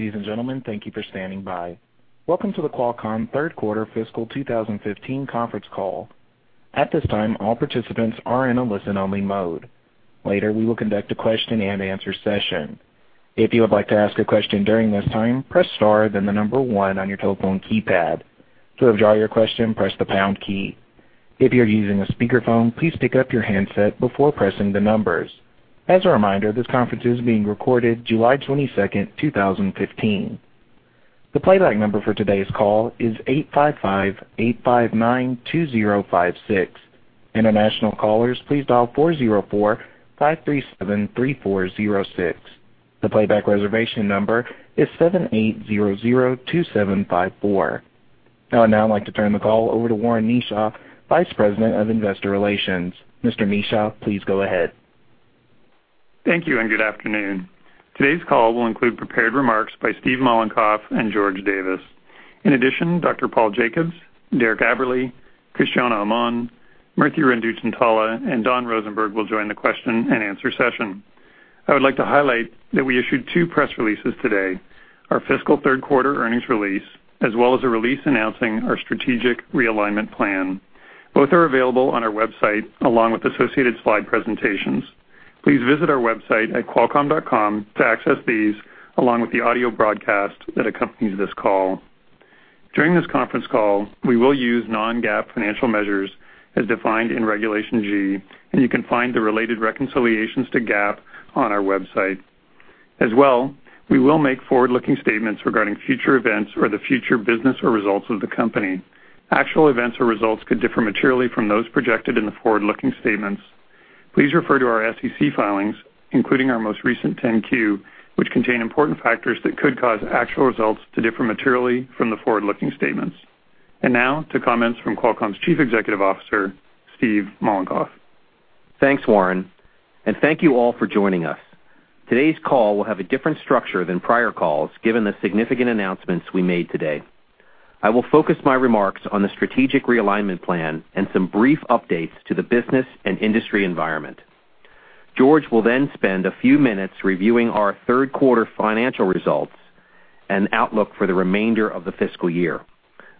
Ladies and gentlemen, thank you for standing by. Welcome to the Qualcomm third quarter fiscal 2015 conference call. At this time, all participants are in a listen-only mode. Later, we will conduct a question-and-answer session. If you would like to ask a question during this time, press star, then the number 1 on your telephone keypad. To withdraw your question, press the pound key. If you're using a speakerphone, please pick up your handset before pressing the numbers. As a reminder, this conference is being recorded July 22nd, 2015. The playback number for today's call is 855-859-2056. International callers please dial 404-537-3406. The playback reservation number is 7800-2754. I would now like to turn the call over to Warren Kneeshaw, Vice President of Investor Relations. Mr. Kneeshaw, please go ahead. Thank you. Good afternoon. Today's call will include prepared remarks by Steve Mollenkopf and George Davis. In addition, Dr. Paul Jacobs, Derek Aberle, Cristiano Amon, Murthy Renduchintala, and Don Rosenberg will join the question-and-answer session. I would like to highlight that we issued two press releases today, our fiscal third quarter earnings release, as well as a release announcing our Strategic Realignment Plan. Both are available on our website along with associated slide presentations. Please visit our website at qualcomm.com to access these, along with the audio broadcast that accompanies this call. During this conference call, we will use non-GAAP financial measures as defined in Regulation G, and you can find the related reconciliations to GAAP on our website. We will make forward-looking statements regarding future events or the future business or results of the company. Actual events or results could differ materially from those projected in the forward-looking statements. Please refer to our SEC filings, including our most recent 10-Q, which contain important factors that could cause actual results to differ materially from the forward-looking statements. Now to comments from Qualcomm's Chief Executive Officer, Steve Mollenkopf. Thanks, Warren. Thank you all for joining us. Today's call will have a different structure than prior calls, given the significant announcements we made today. I will focus my remarks on the Strategic Realignment Plan and some brief updates to the business and industry environment. George will spend a few minutes reviewing our third quarter financial results and outlook for the remainder of the fiscal year.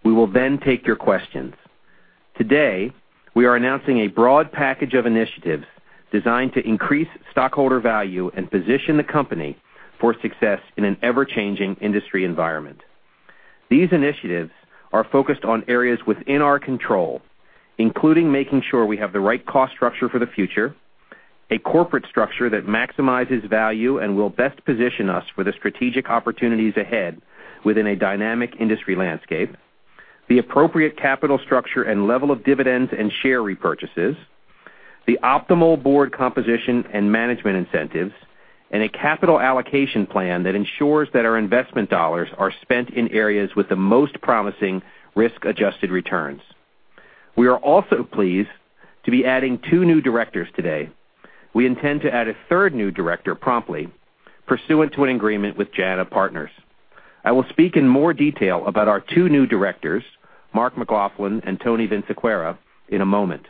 We will take your questions. Today, we are announcing a broad package of initiatives designed to increase stockholder value and position the company for success in an ever-changing industry environment. These initiatives are focused on areas within our control, including making sure we have the right cost structure for the future, a corporate structure that maximizes value and will best position us for the strategic opportunities ahead within a dynamic industry landscape, the appropriate capital structure and level of dividends and share repurchases, the optimal board composition and management incentives, and a capital allocation plan that ensures that our investment dollars are spent in areas with the most promising risk-adjusted returns. We are also pleased to be adding two new directors today. We intend to add a third new director promptly, pursuant to an agreement with JANA Partners. I will speak in more detail about our two new directors, Mark McLaughlin and Tony Vinciquerra, in a moment.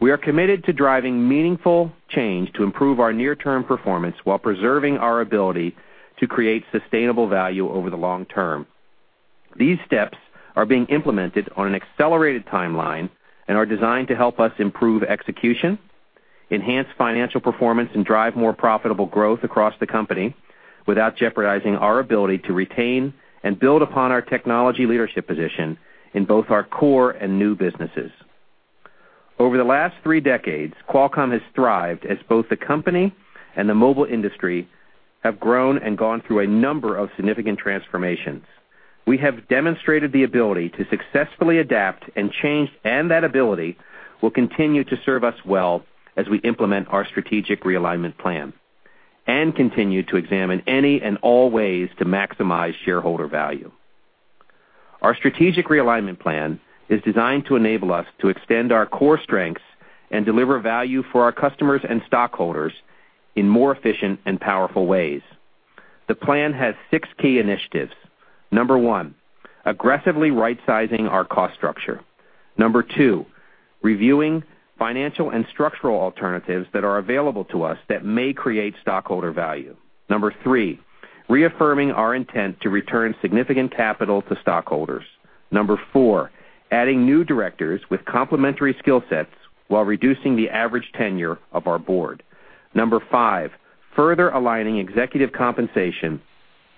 We are committed to driving meaningful change to improve our near-term performance while preserving our ability to create sustainable value over the long term. These steps are being implemented on an accelerated timeline and are designed to help us improve execution, enhance financial performance, and drive more profitable growth across the company without jeopardizing our ability to retain and build upon our technology leadership position in both our core and new businesses. Over the last three decades, Qualcomm has thrived as both the company and the mobile industry have grown and gone through a number of significant transformations. We have demonstrated the ability to successfully adapt and change, and that ability will continue to serve us well as we implement our strategic realignment plan and continue to examine any and all ways to maximize shareholder value. Our strategic realignment plan is designed to enable us to extend our core strengths and deliver value for our customers and stockholders in more efficient and powerful ways. The plan has six key initiatives. Number one, aggressively rightsizing our cost structure. Number two, reviewing financial and structural alternatives that are available to us that may create stockholder value. Number three, reaffirming our intent to return significant capital to stockholders. Number four, adding new directors with complementary skill sets while reducing the average tenure of our board. Number five, further aligning executive compensation,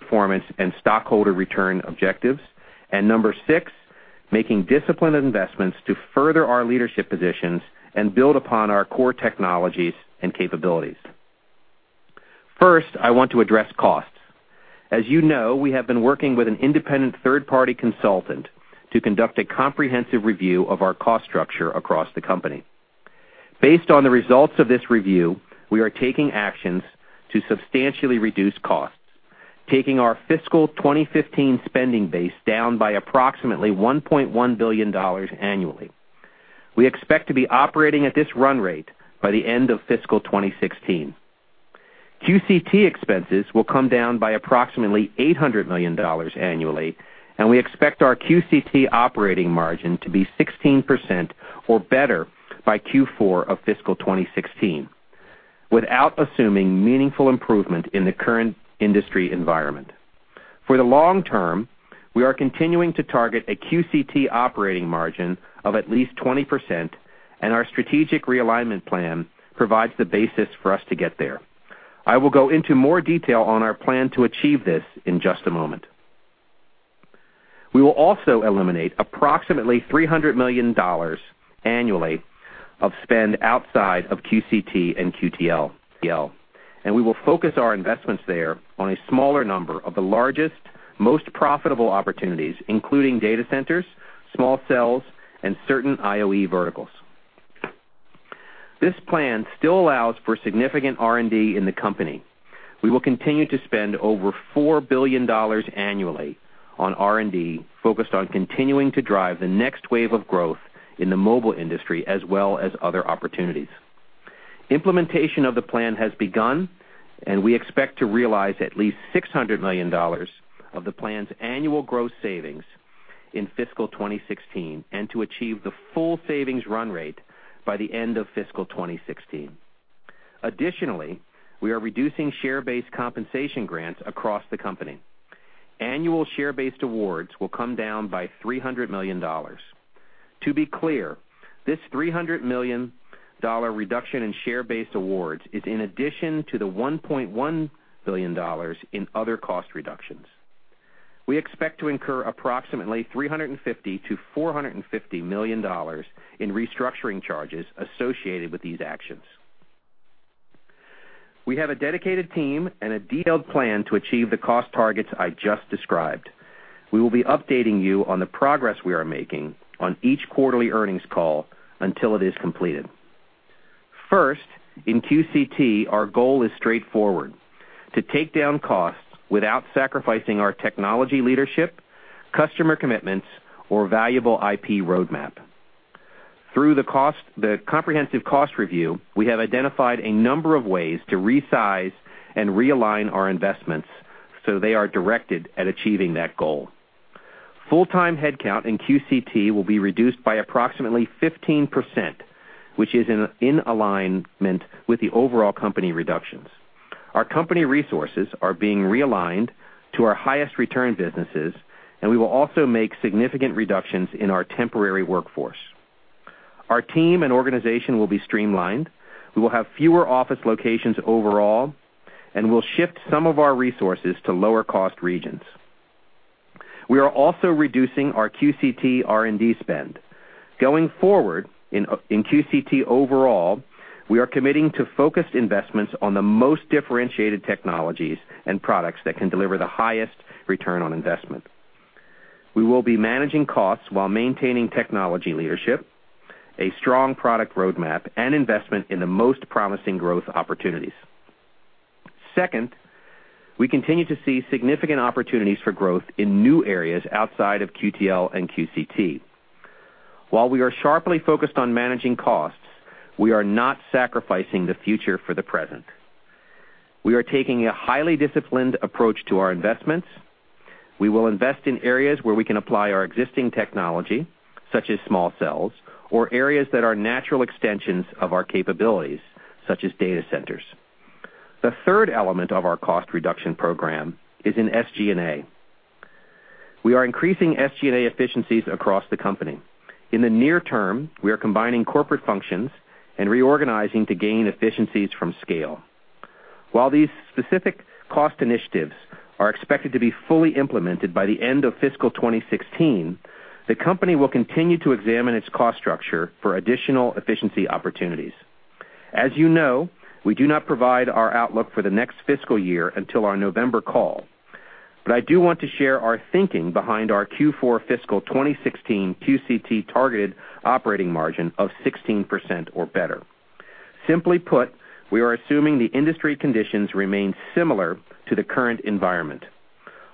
performance, and stockholder return objectives. Number six, making disciplined investments to further our leadership positions and build upon our core technologies and capabilities. First, I want to address costs. As you know, we have been working with an independent third-party consultant to conduct a comprehensive review of our cost structure across the company. Based on the results of this review, we are taking actions to substantially reduce costs, taking our fiscal 2015 spending base down by approximately $1.1 billion annually. We expect to be operating at this run rate by the end of fiscal 2016. QCT expenses will come down by approximately $800 million annually, and we expect our QCT operating margin to be 16% or better by Q4 of fiscal 2016. Without assuming meaningful improvement in the current industry environment. For the long term, we are continuing to target a QCT operating margin of at least 20%, and our strategic realignment plan provides the basis for us to get there. I will go into more detail on our plan to achieve this in just a moment. We will also eliminate approximately $300 million annually of spend outside of QCT and QTL. We will focus our investments there on a smaller number of the largest, most profitable opportunities, including data centers, small cells, and certain IoE verticals. This plan still allows for significant R&D in the company. We will continue to spend over $4 billion annually on R&D, focused on continuing to drive the next wave of growth in the mobile industry, as well as other opportunities. Implementation of the plan has begun, and we expect to realize at least $600 million of the plan's annual gross savings in fiscal 2016, and to achieve the full savings run rate by the end of fiscal 2016. Additionally, we are reducing share-based compensation grants across the company. Annual share-based awards will come down by $300 million. To be clear, this $300 million reduction in share-based awards is in addition to the $1.1 billion in other cost reductions. We expect to incur approximately $350 million-$450 million in restructuring charges associated with these actions. We have a dedicated team and a detailed plan to achieve the cost targets I just described. We will be updating you on the progress we are making on each quarterly earnings call until it is completed. First, in QCT, our goal is straightforward, to take down costs without sacrificing our technology leadership, customer commitments, or valuable IP roadmap. Through the comprehensive cost review, we have identified a number of ways to resize and realign our investments so they are directed at achieving that goal. Full-time headcount in QCT will be reduced by approximately 15%, which is in alignment with the overall company reductions. Our company resources are being realigned to our highest return businesses. We will also make significant reductions in our temporary workforce. Our team and organization will be streamlined. We will have fewer office locations overall, and we'll shift some of our resources to lower-cost regions. We are also reducing our QCT R&D spend. Going forward, in QCT overall, we are committing to focused investments on the most differentiated technologies and products that can deliver the highest return on investment. We will be managing costs while maintaining technology leadership, a strong product roadmap, and investment in the most promising growth opportunities. Second, we continue to see significant opportunities for growth in new areas outside of QTL and QCT. While we are sharply focused on managing costs, we are not sacrificing the future for the present. We are taking a highly disciplined approach to our investments. We will invest in areas where we can apply our existing technology, such as small cells, or areas that are natural extensions of our capabilities, such as data centers. The third element of our cost reduction program is in SG&A. We are increasing SG&A efficiencies across the company. In the near term, we are combining corporate functions and reorganizing to gain efficiencies from scale. While these specific cost initiatives are expected to be fully implemented by the end of fiscal 2016, the company will continue to examine its cost structure for additional efficiency opportunities. As you know, we do not provide our outlook for the next fiscal year until our November call, I do want to share our thinking behind our Q4 fiscal 2016 QCT targeted operating margin of 16% or better. Simply put, we are assuming the industry conditions remain similar to the current environment.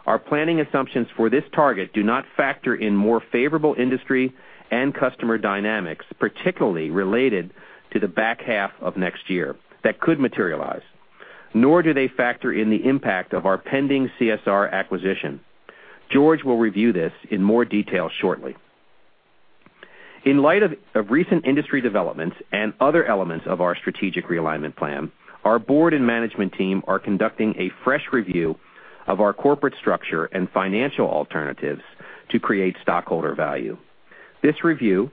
Our planning assumptions for this target do not factor in more favorable industry and customer dynamics, particularly related to the back half of next year, that could materialize, nor do they factor in the impact of our pending CSR plc acquisition. George will review this in more detail shortly. In light of recent industry developments and other elements of our strategic realignment plan, our board and management team are conducting a fresh review of our corporate structure and financial alternatives to create stockholder value. This review,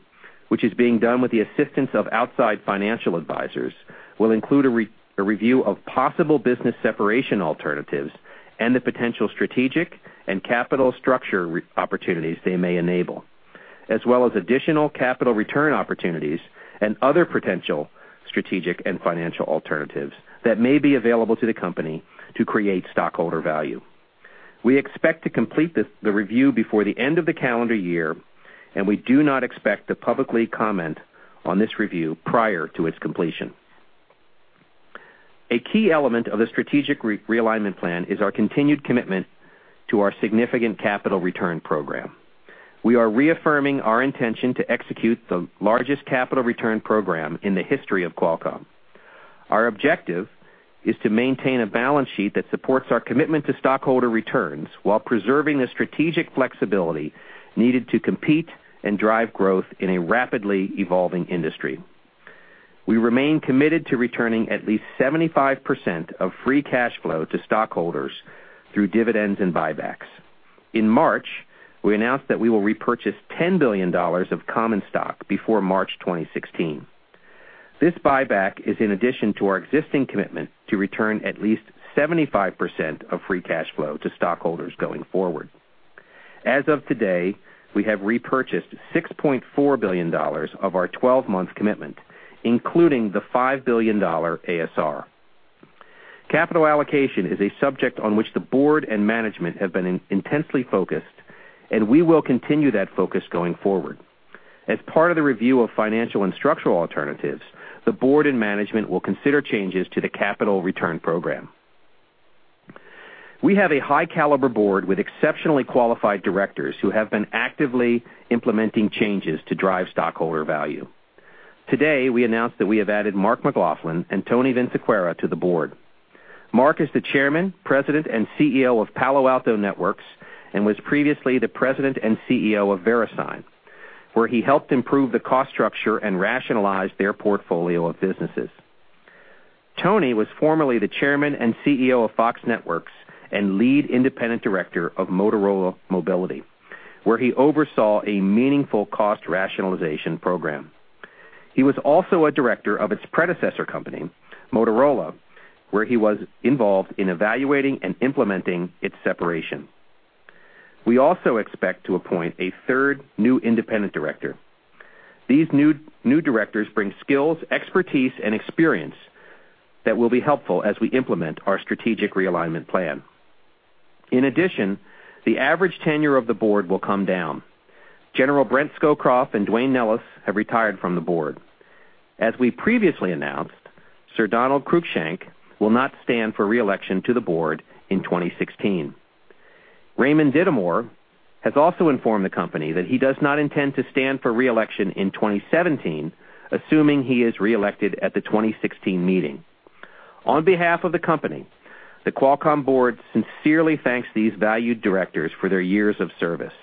which is being done with the assistance of outside financial advisors, will include a review of possible business separation alternatives and the potential strategic and capital structure opportunities they may enable, as well as additional capital return opportunities and other potential strategic and financial alternatives that may be available to the company to create stockholder value. We expect to complete the review before the end of the calendar year. We do not expect to publicly comment on this review prior to its completion. A key element of the strategic realignment plan is our continued commitment to our significant capital return program. We are reaffirming our intention to execute the largest capital return program in the history of Qualcomm. Our objective is to maintain a balance sheet that supports our commitment to stockholder returns while preserving the strategic flexibility needed to compete and drive growth in a rapidly evolving industry. We remain committed to returning at least 75% of free cash flow to stockholders through dividends and buybacks. In March, we announced that we will repurchase $10 billion of common stock before March 2016. This buyback is in addition to our existing commitment to return at least 75% of free cash flow to stockholders going forward. As of today, we have repurchased $6.4 billion of our 12-month commitment, including the $5 billion ASR. Capital allocation is a subject on which the board and management have been intensely focused. We will continue that focus going forward. As part of the review of financial and structural alternatives, the board and management will consider changes to the capital return program. We have a high-caliber board with exceptionally qualified directors who have been actively implementing changes to drive stockholder value. Today, we announced that we have added Mark McLaughlin and Tony Vinciquerra to the board. Mark is the chairman, president, and CEO of Palo Alto Networks, and was previously the president and CEO of VeriSign, where he helped improve the cost structure and rationalize their portfolio of businesses. Tony was formerly the chairman and CEO of Fox Networks and lead independent director of Motorola Mobility, where he oversaw a meaningful cost rationalization program. He was also a director of its predecessor company, Motorola, where he was involved in evaluating and implementing its separation. We also expect to appoint a third new independent director. These new directors bring skills, expertise, and experience that will be helpful as we implement our strategic realignment plan. In addition, the average tenure of the board will come down. General Brent Scowcroft and Duane Nelles have retired from the board. As we previously announced, Sir Donald Cruickshank will not stand for re-election to the board in 2016. Raymond Dittamore has also informed the company that he does not intend to stand for re-election in 2017, assuming he is re-elected at the 2016 meeting. On behalf of the company, the Qualcomm board sincerely thanks these valued directors for their years of service.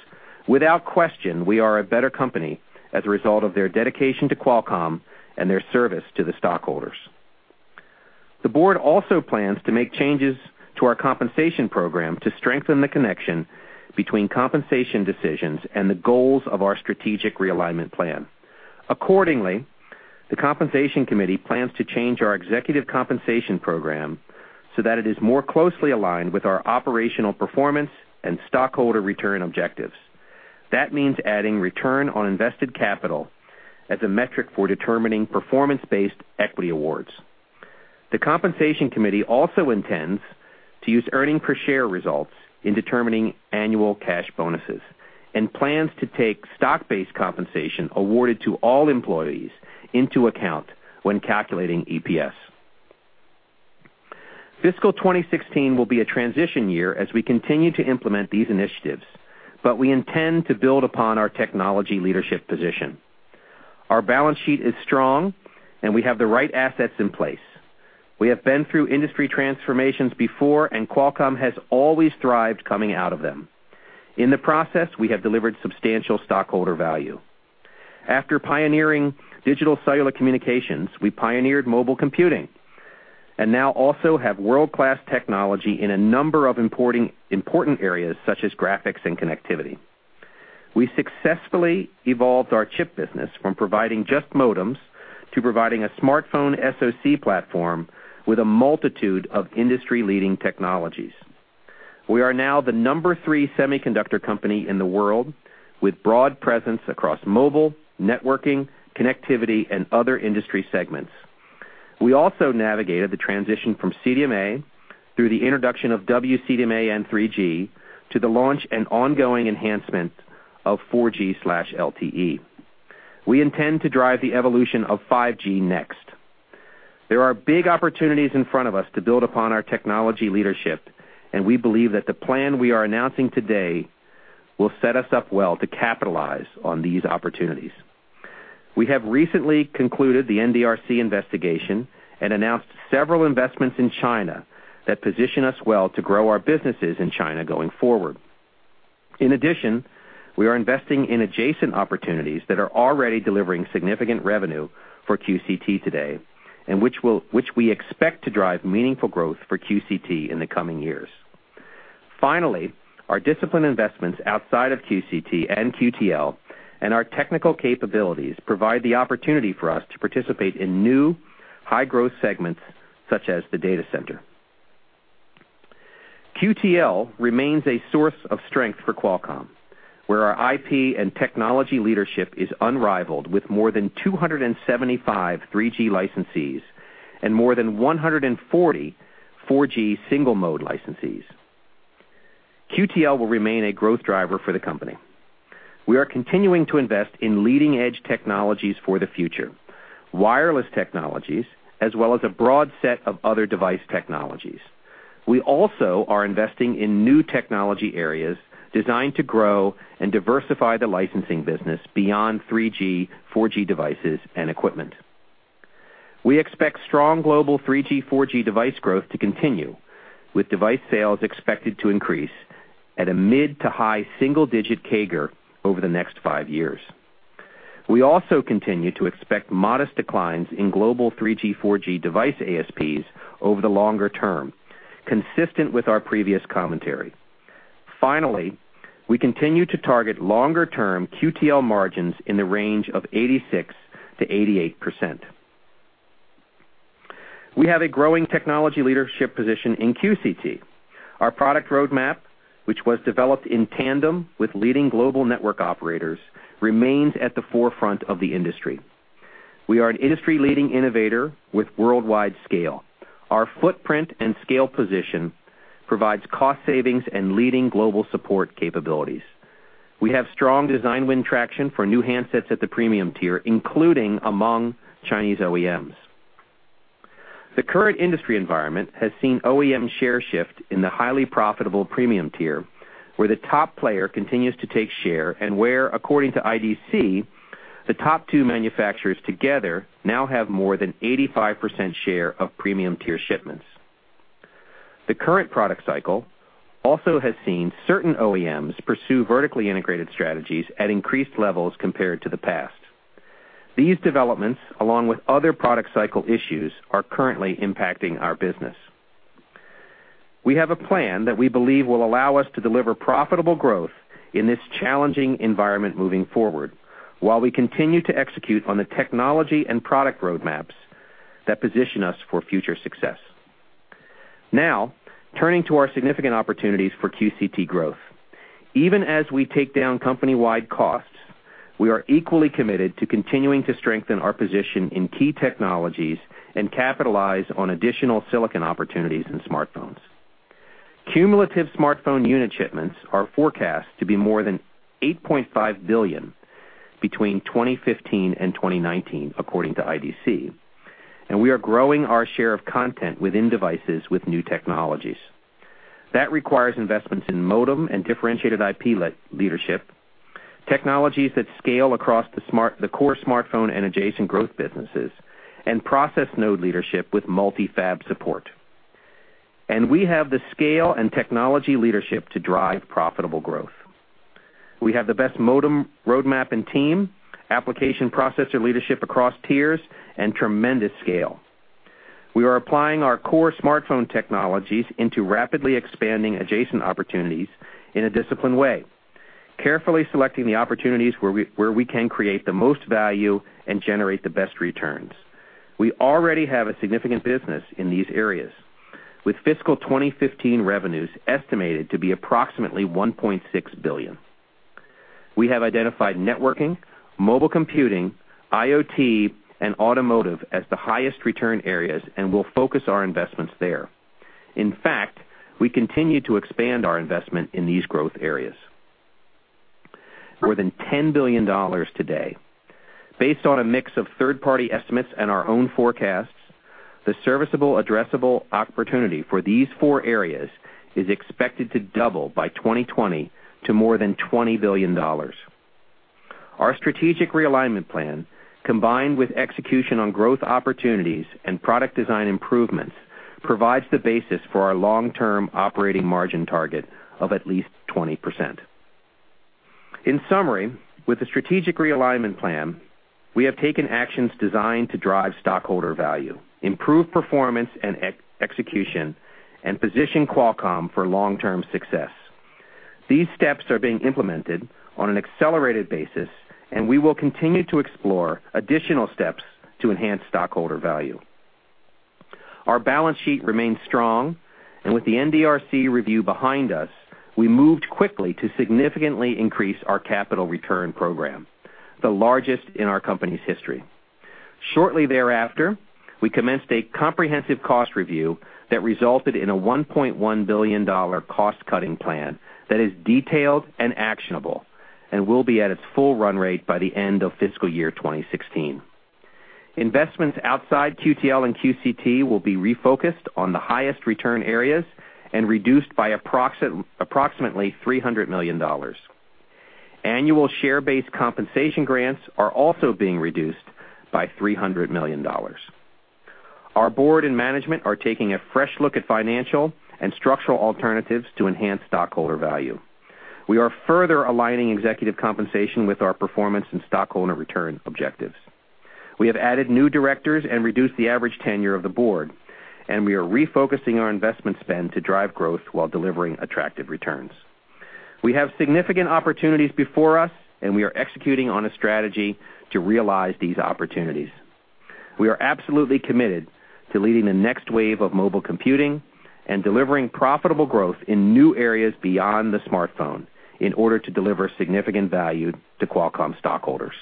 Without question, we are a better company as a result of their dedication to Qualcomm and their service to the stockholders. The board also plans to make changes to our compensation program to strengthen the connection between compensation decisions and the goals of our strategic realignment plan. Accordingly, the Compensation Committee plans to change our executive compensation program so that it is more closely aligned with our operational performance and stockholder return objectives. That means adding return on invested capital as a metric for determining performance-based equity awards. The Compensation Committee also intends to use earnings per share results in determining annual cash bonuses and plans to take stock-based compensation awarded to all employees into account when calculating EPS. Fiscal 2016 will be a transition year as we continue to implement these initiatives, but we intend to build upon our technology leadership position. Our balance sheet is strong, and we have the right assets in place. We have been through industry transformations before, and Qualcomm has always thrived coming out of them. In the process, we have delivered substantial stockholder value. After pioneering digital cellular communications, we pioneered mobile computing and now also have world-class technology in a number of important areas such as graphics and connectivity. We successfully evolved our chip business from providing just modems to providing a smartphone SoC platform with a multitude of industry-leading technologies. We are now the number 3 semiconductor company in the world, with broad presence across mobile, networking, connectivity, and other industry segments. We also navigated the transition from CDMA through the introduction of WCDMA and 3G to the launch and ongoing enhancement of 4G/LTE. We intend to drive the evolution of 5G next. There are big opportunities in front of us to build upon our technology leadership, and we believe that the plan we are announcing today will set us up well to capitalize on these opportunities. We have recently concluded the NDRC investigation and announced several investments in China that position us well to grow our businesses in China going forward. We are investing in adjacent opportunities that are already delivering significant revenue for QCT today and which we expect to drive meaningful growth for QCT in the coming years. Our disciplined investments outside of QCT and QTL and our technical capabilities provide the opportunity for us to participate in new high-growth segments such as the data center. QTL remains a source of strength for Qualcomm, where our IP and technology leadership is unrivaled with more than 275 3G licensees and more than 140 4G single-mode licensees. QTL will remain a growth driver for the company. We are continuing to invest in leading-edge technologies for the future, wireless technologies, as well as a broad set of other device technologies. We also are investing in new technology areas designed to grow and diversify the licensing business beyond 3G, 4G devices and equipment. We expect strong global 3G, 4G device growth to continue, with device sales expected to increase at a mid-to-high single-digit CAGR over the next five years. We also continue to expect modest declines in global 3G, 4G device ASPs over the longer term, consistent with our previous commentary. We continue to target longer-term QTL margins in the range of 86%-88%. We have a growing technology leadership position in QCT. Our product roadmap, which was developed in tandem with leading global network operators, remains at the forefront of the industry. We are an industry-leading innovator with worldwide scale. Our footprint and scale position provides cost savings and leading global support capabilities. We have strong design win traction for new handsets at the premium tier, including among Chinese OEMs. The current industry environment has seen OEM share shift in the highly profitable premium tier, where the top player continues to take share and where, according to IDC, the top two manufacturers together now have more than 85% share of premium-tier shipments. The current product cycle also has seen certain OEMs pursue vertically integrated strategies at increased levels compared to the past. These developments, along with other product cycle issues, are currently impacting our business. We have a plan that we believe will allow us to deliver profitable growth in this challenging environment moving forward, while we continue to execute on the technology and product roadmaps that position us for future success. Now, turning to our significant opportunities for QCT growth. Even as we take down company-wide costs, we are equally committed to continuing to strengthen our position in key technologies and capitalize on additional silicon opportunities in smartphones. Cumulative smartphone unit shipments are forecast to be more than 8.5 billion between 2015 and 2019, according to IDC, and we are growing our share of content within devices with new technologies. That requires investments in modem and differentiated IP leadership, technologies that scale across the core smartphone and adjacent growth businesses, and process node leadership with multi-fab support. We have the scale and technology leadership to drive profitable growth. We have the best modem roadmap and team, application processor leadership across tiers, and tremendous scale. We are applying our core smartphone technologies into rapidly expanding adjacent opportunities in a disciplined way, carefully selecting the opportunities where we can create the most value and generate the best returns. We already have a significant business in these areas, with fiscal 2015 revenues estimated to be approximately $1.6 billion. We have identified networking, mobile computing, IoT, and automotive as the highest return areas and will focus our investments there. In fact, we continue to expand our investment in these growth areas. More than $10 billion today. Based on a mix of third-party estimates and our own forecasts, the serviceable addressable opportunity for these four areas is expected to double by 2020 to more than $20 billion. Our strategic realignment plan, combined with execution on growth opportunities and product design improvements, provides the basis for our long-term operating margin target of at least 20%. In summary, with the strategic realignment plan, we have taken actions designed to drive stockholder value, improve performance and execution, and position Qualcomm for long-term success. These steps are being implemented on an accelerated basis, and we will continue to explore additional steps to enhance stockholder value. Our balance sheet remains strong, and with the NDRC review behind us, we moved quickly to significantly increase our capital return program, the largest in our company's history. Shortly thereafter, we commenced a comprehensive cost review that resulted in a $1.1 billion cost-cutting plan that is detailed and actionable and will be at its full run rate by the end of fiscal year 2016. Investments outside QTL and QCT will be refocused on the highest return areas and reduced by approximately $300 million. Annual share-based compensation grants are also being reduced by $300 million. Our board and management are taking a fresh look at financial and structural alternatives to enhance stockholder value. We are further aligning executive compensation with our performance and stockholder return objectives. We have added new directors and reduced the average tenure of the board, and we are refocusing our investment spend to drive growth while delivering attractive returns. We have significant opportunities before us, and we are executing on a strategy to realize these opportunities. We are absolutely committed to leading the next wave of mobile computing and delivering profitable growth in new areas beyond the smartphone in order to deliver significant value to Qualcomm stockholders.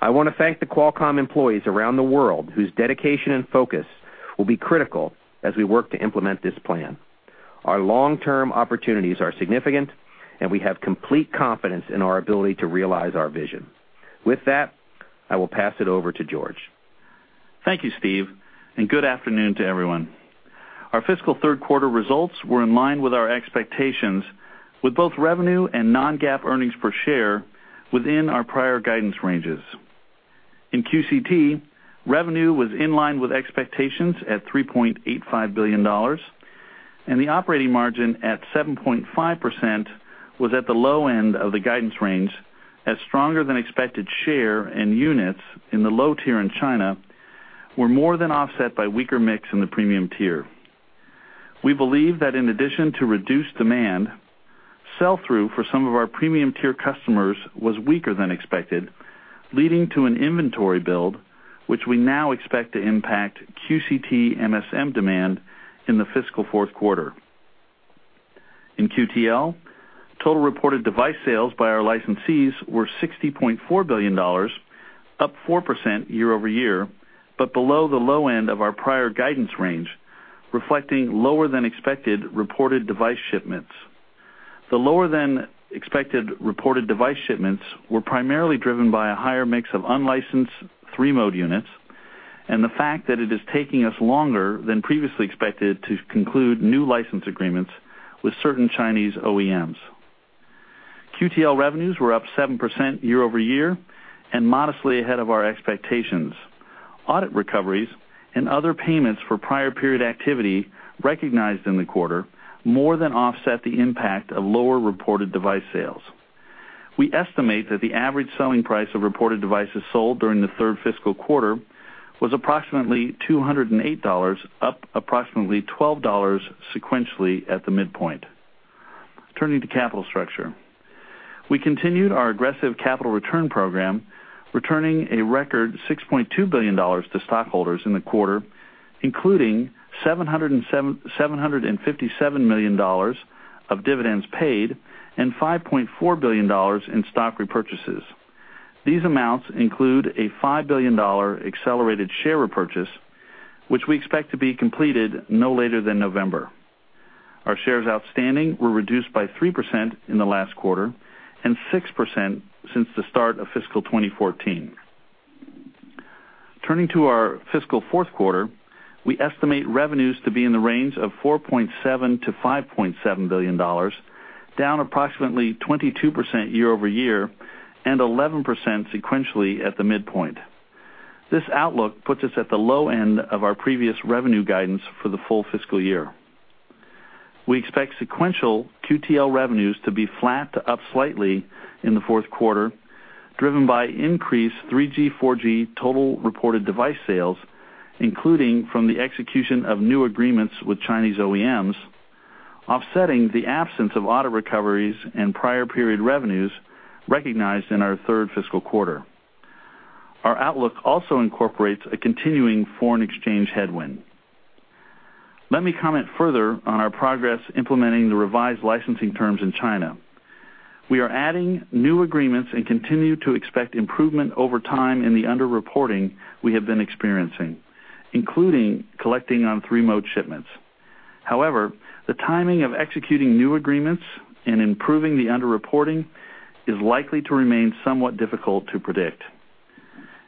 I want to thank the Qualcomm employees around the world whose dedication and focus will be critical as we work to implement this plan. Our long-term opportunities are significant, and we have complete confidence in our ability to realize our vision. With that, I will pass it over to George. Thank you, Steve, and good afternoon to everyone. Our fiscal third quarter results were in line with our expectations with both revenue and non-GAAP earnings per share within our prior guidance ranges. In QCT, revenue was in line with expectations at $3.85 billion, and the operating margin at 7.5% was at the low end of the guidance range, as stronger than expected share and units in the low tier in China were more than offset by weaker mix in the premium tier. We believe that in addition to reduced demand, sell-through for some of our premium tier customers was weaker than expected, leading to an inventory build, which we now expect to impact QCT MSM demand in the fiscal fourth quarter. In QTL, total reported device sales by our licensees were $60.4 billion, up 4% year-over-year, below the low end of our prior guidance range, reflecting lower than expected reported device shipments. The lower than expected reported device shipments were primarily driven by a higher mix of unlicensed three-mode units and the fact that it is taking us longer than previously expected to conclude new license agreements with certain Chinese OEMs. QTL revenues were up 7% year-over-year and modestly ahead of our expectations. Audit recoveries and other payments for prior period activity recognized in the quarter more than offset the impact of lower reported device sales. We estimate that the average selling price of reported devices sold during the third fiscal quarter was approximately $208, up approximately $12 sequentially at the midpoint. Turning to capital structure. We continued our aggressive capital return program, returning a record $6.2 billion to stockholders in the quarter, including $757 million of dividends paid and $5.4 billion in stock repurchases. These amounts include a $5 billion accelerated share repurchase, which we expect to be completed no later than November. Our shares outstanding were reduced by 3% in the last quarter and 6% since the start of fiscal 2014. Turning to our fiscal fourth quarter, we estimate revenues to be in the range of $4.7 billion-$5.7 billion, down approximately 22% year-over-year and 11% sequentially at the midpoint. This outlook puts us at the low end of our previous revenue guidance for the full fiscal year. We expect sequential QTL revenues to be flat to up slightly in the fourth quarter, driven by increased 3G, 4G total reported device sales, including from the execution of new agreements with Chinese OEMs, offsetting the absence of audit recoveries and prior period revenues recognized in our third fiscal quarter. Our outlook also incorporates a continuing foreign exchange headwind. Let me comment further on our progress implementing the revised licensing terms in China. We are adding new agreements and continue to expect improvement over time in the underreporting we have been experiencing, including collecting on three-mode shipments. The timing of executing new agreements and improving the underreporting is likely to remain somewhat difficult to predict.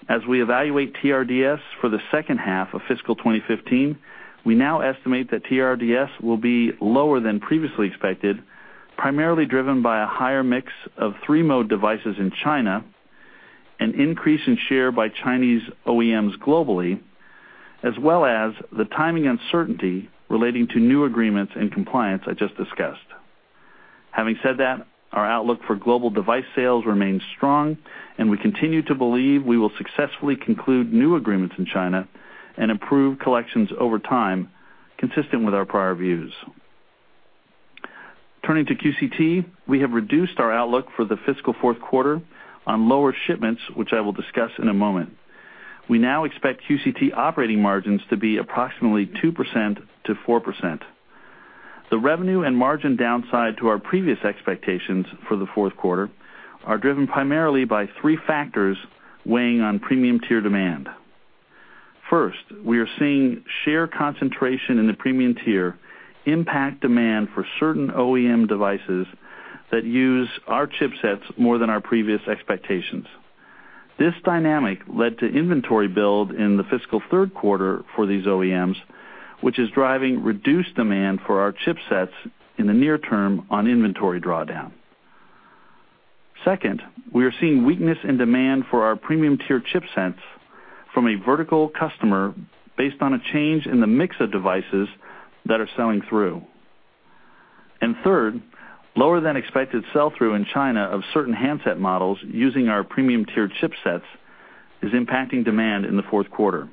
As we evaluate TRDS for the second half of fiscal 2015, we now estimate that TRDS will be lower than previously expected, primarily driven by a higher mix of three-mode devices in China, an increase in share by Chinese OEMs globally, as well as the timing uncertainty relating to new agreements and compliance I just discussed. Having said that, our outlook for global device sales remains strong, and we continue to believe we will successfully conclude new agreements in China and improve collections over time, consistent with our prior views. Turning to QCT, we have reduced our outlook for the fiscal fourth quarter on lower shipments, which I will discuss in a moment. We now expect QCT operating margins to be approximately 2%-4%. The revenue and margin downside to our previous expectations for the fourth quarter are driven primarily by three factors weighing on premium tier demand. First, we are seeing share concentration in the premium tier impact demand for certain OEM devices that use our chipsets more than our previous expectations. This dynamic led to inventory build in the fiscal third quarter for these OEMs, which is driving reduced demand for our chipsets in the near term on inventory drawdown. Second, we are seeing weakness in demand for our premium tier chipsets from a vertical customer based on a change in the mix of devices that are selling through. Third, lower than expected sell-through in China of certain handset models using our premium tiered chipsets is impacting demand in the fourth quarter.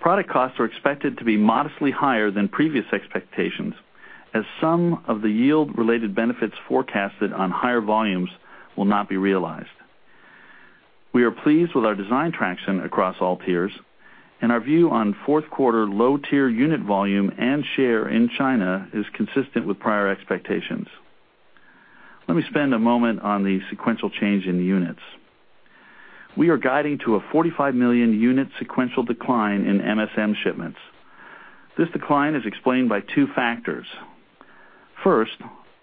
Product costs are expected to be modestly higher than previous expectations, as some of the yield-related benefits forecasted on higher volumes will not be realized. We are pleased with our design traction across all tiers, and our view on fourth quarter low tier unit volume and share in China is consistent with prior expectations. Let me spend a moment on the sequential change in units. We are guiding to a 45 million unit sequential decline in MSM shipments. This decline is explained by two factors. First,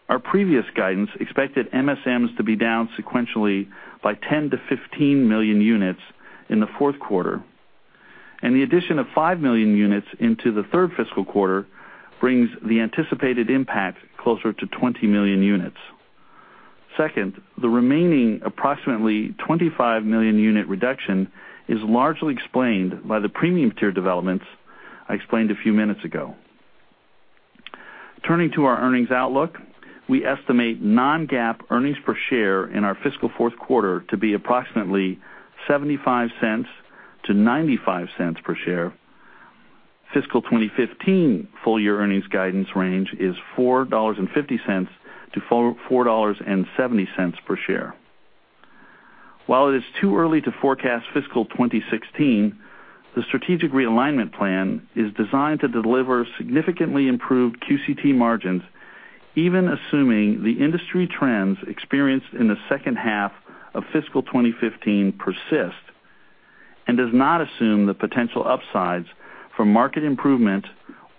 our previous guidance expected MSMs to be down sequentially by 10 million-15 million units in the fourth quarter, and the addition of five million units into the third fiscal quarter brings the anticipated impact closer to 20 million units. Second, the remaining approximately 25 million unit reduction is largely explained by the premium tier developments I explained a few minutes ago. Turning to our earnings outlook, we estimate non-GAAP earnings per share in our fiscal fourth quarter to be approximately $0.75 to $0.95 per share. Fiscal 2015 full year earnings guidance range is $4.50 to $4.70 per share. While it is too early to forecast fiscal 2016, the strategic realignment plan is designed to deliver significantly improved QCT margins, even assuming the industry trends experienced in the second half of fiscal 2015 persist and does not assume the potential upsides for market improvement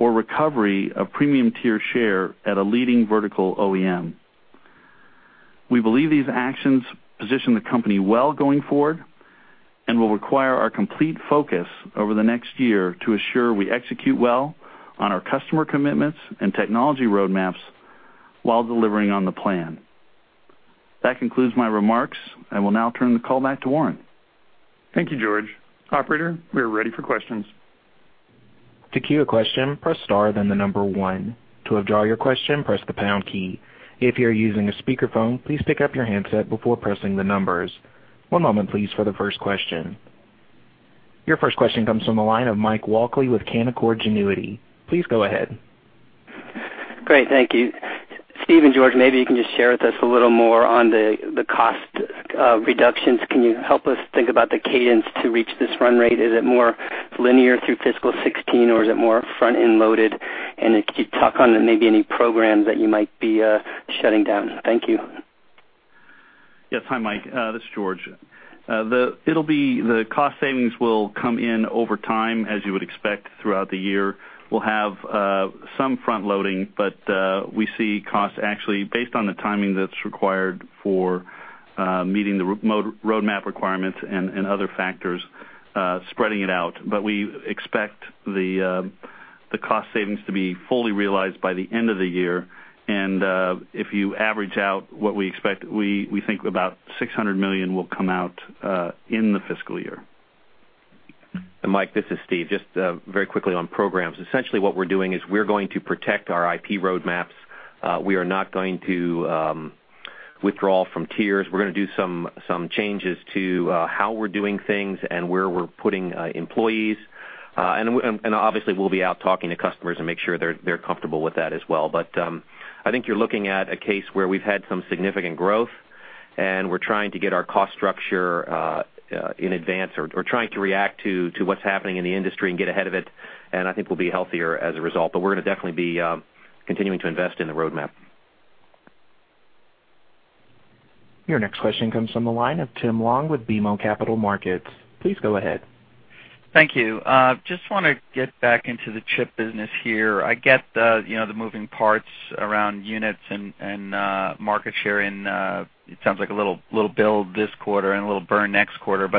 or recovery of premium tier share at a leading vertical OEM. We believe these actions position the company well going forward and will require our complete focus over the next year to assure we execute well on our customer commitments and technology roadmaps while delivering on the plan. That concludes my remarks. I will now turn the call back to Warren. Thank you, George. Operator, we are ready for questions. To queue a question, press star then the number 1. To withdraw your question, press the pound key. If you are using a speakerphone, please pick up your handset before pressing the numbers. One moment please for the first question. Your first question comes from the line of Michael Walkley with Canaccord Genuity. Please go ahead. Great. Thank you. Steve and George, maybe you can just share with us a little more on the cost reductions. Can you help us think about the cadence to reach this run rate? Is it more linear through fiscal 2016 or is it more front-end loaded? Could you talk on maybe any programs that you might be shutting down? Thank you. Yes. Hi, Mike. This is George. The cost savings will come in over time, as you would expect, throughout the year. We'll have some front-loading, we see costs actually based on the timing that's required for meeting the roadmap requirements and other factors spreading it out. We expect the cost savings to be fully realized by the end of the year, if you average out what we expect, we think about $600 million will come out in the fiscal year. Mike, this is Steve. Just very quickly on programs, essentially what we're doing is we're going to protect our IP roadmaps. We are not going to withdraw from tiers. We're going to do some changes to how we're doing things and where we're putting employees. Obviously, we'll be out talking to customers and make sure they're comfortable with that as well. I think you're looking at a case where we've had some significant growth, we're trying to get our cost structure in advance or trying to react to what's happening in the industry and get ahead of it, I think we'll be healthier as a result. We're going to definitely be continuing to invest in the roadmap. Your next question comes from the line of Tim Long with BMO Capital Markets. Please go ahead. Thank you. Just want to get back into the chip business here. I get the moving parts around units and market share. It sounds like a little build this quarter and a little burn next quarter.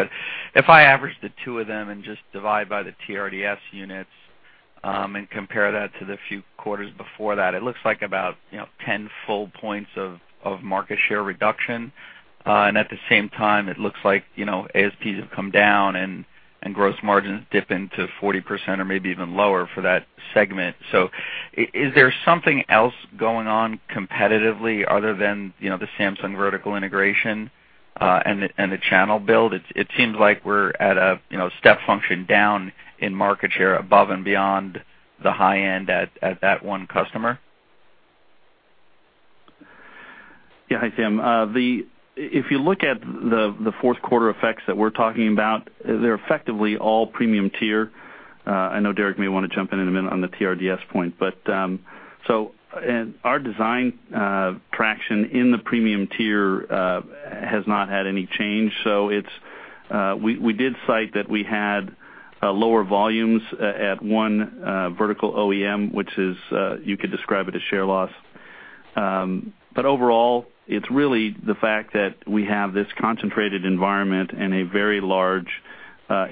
If I average the two of them and just divide by the TRDS units and compare that to the few quarters before that, it looks like about 10 full points of market share reduction. At the same time, it looks like ASPs have come down and gross margins dip into 40% or maybe even lower for that segment. Is there something else going on competitively other than the Samsung vertical integration and the channel build? It seems like we're at a step function down in market share above and beyond the high end at that one customer. Yeah. Hi, Tim. If you look at the fourth quarter effects that we're talking about, they're effectively all premium tier. I know Derek may want to jump in in a minute on the TRDS point. Our design traction in the premium tier has not had any change. We did cite that we had lower volumes at one vertical OEM, which you could describe it as share loss. Overall, it's really the fact that we have this concentrated environment and a very large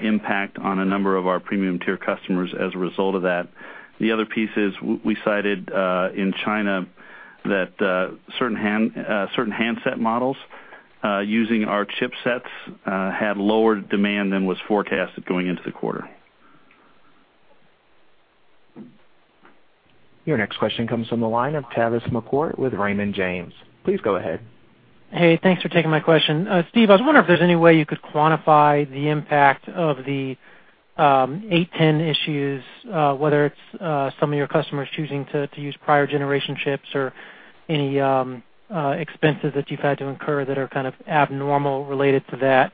impact on a number of our premium tier customers as a result of that. The other piece is we cited in China that certain handset models using our chipsets had lower demand than was forecasted going into the quarter. Your next question comes from the line of Tavis McCourt with Raymond James. Please go ahead. Hey, thanks for taking my question. Steve, I was wondering if there's any way you could quantify the impact of the 810 issues, whether it's some of your customers choosing to use prior generation chips or any expenses that you've had to incur that are kind of abnormal related to that.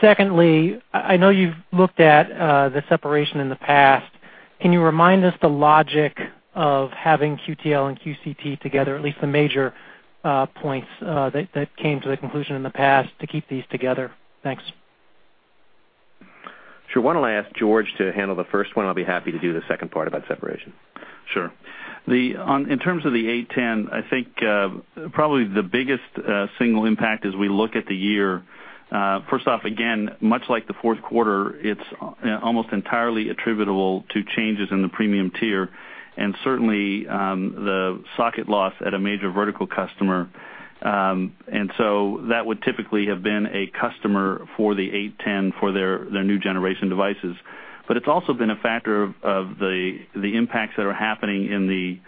Secondly, I know you've looked at the separation in the past. Can you remind us the logic of having QTL and QCT together, at least the major points that came to the conclusion in the past to keep these together? Thanks. Sure. Why don't I ask George to handle the first one? I'll be happy to do the second part about separation. Sure. In terms of the 810, I think probably the biggest single impact as we look at the year, first off, again, much like the fourth quarter, it's almost entirely attributable to changes in the premium tier and certainly the socket loss at a major vertical customer. That would typically have been a customer for the 810 for their new generation devices. It's also been a factor of the impacts that are happening in the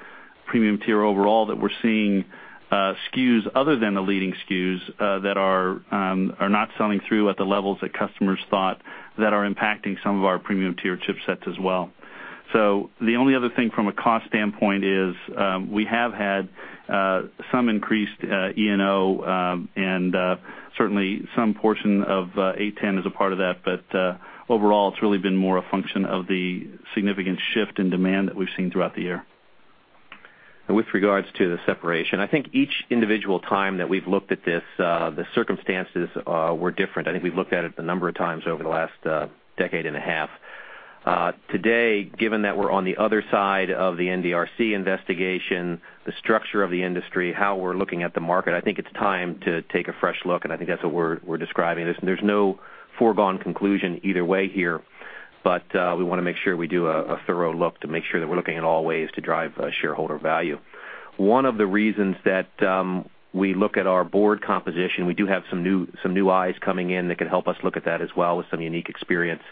premium tier overall that we're seeing SKUs other than the leading SKUs that are not selling through at the levels that customers thought that are impacting some of our premium tier chipsets as well. The only other thing from a cost standpoint is we have had some increased E&O and certainly some portion of 810 is a part of that, but overall, it's really been more a function of the significant shift in demand that we've seen throughout the year. With regards to the separation, I think each individual time that we've looked at this, the circumstances were different. I think we've looked at it a number of times over the last decade and a half. Today, given that we're on the other side of the NDRC investigation, the structure of the industry, how we're looking at the market, I think it's time to take a fresh look, and I think that's what we're describing. There's no foregone conclusion either way here, but we want to make sure we do a thorough look to make sure that we're looking at all ways to drive shareholder value. One of the reasons that we look at our board composition, we do have some new eyes coming in that can help us look at that as well with some unique experience.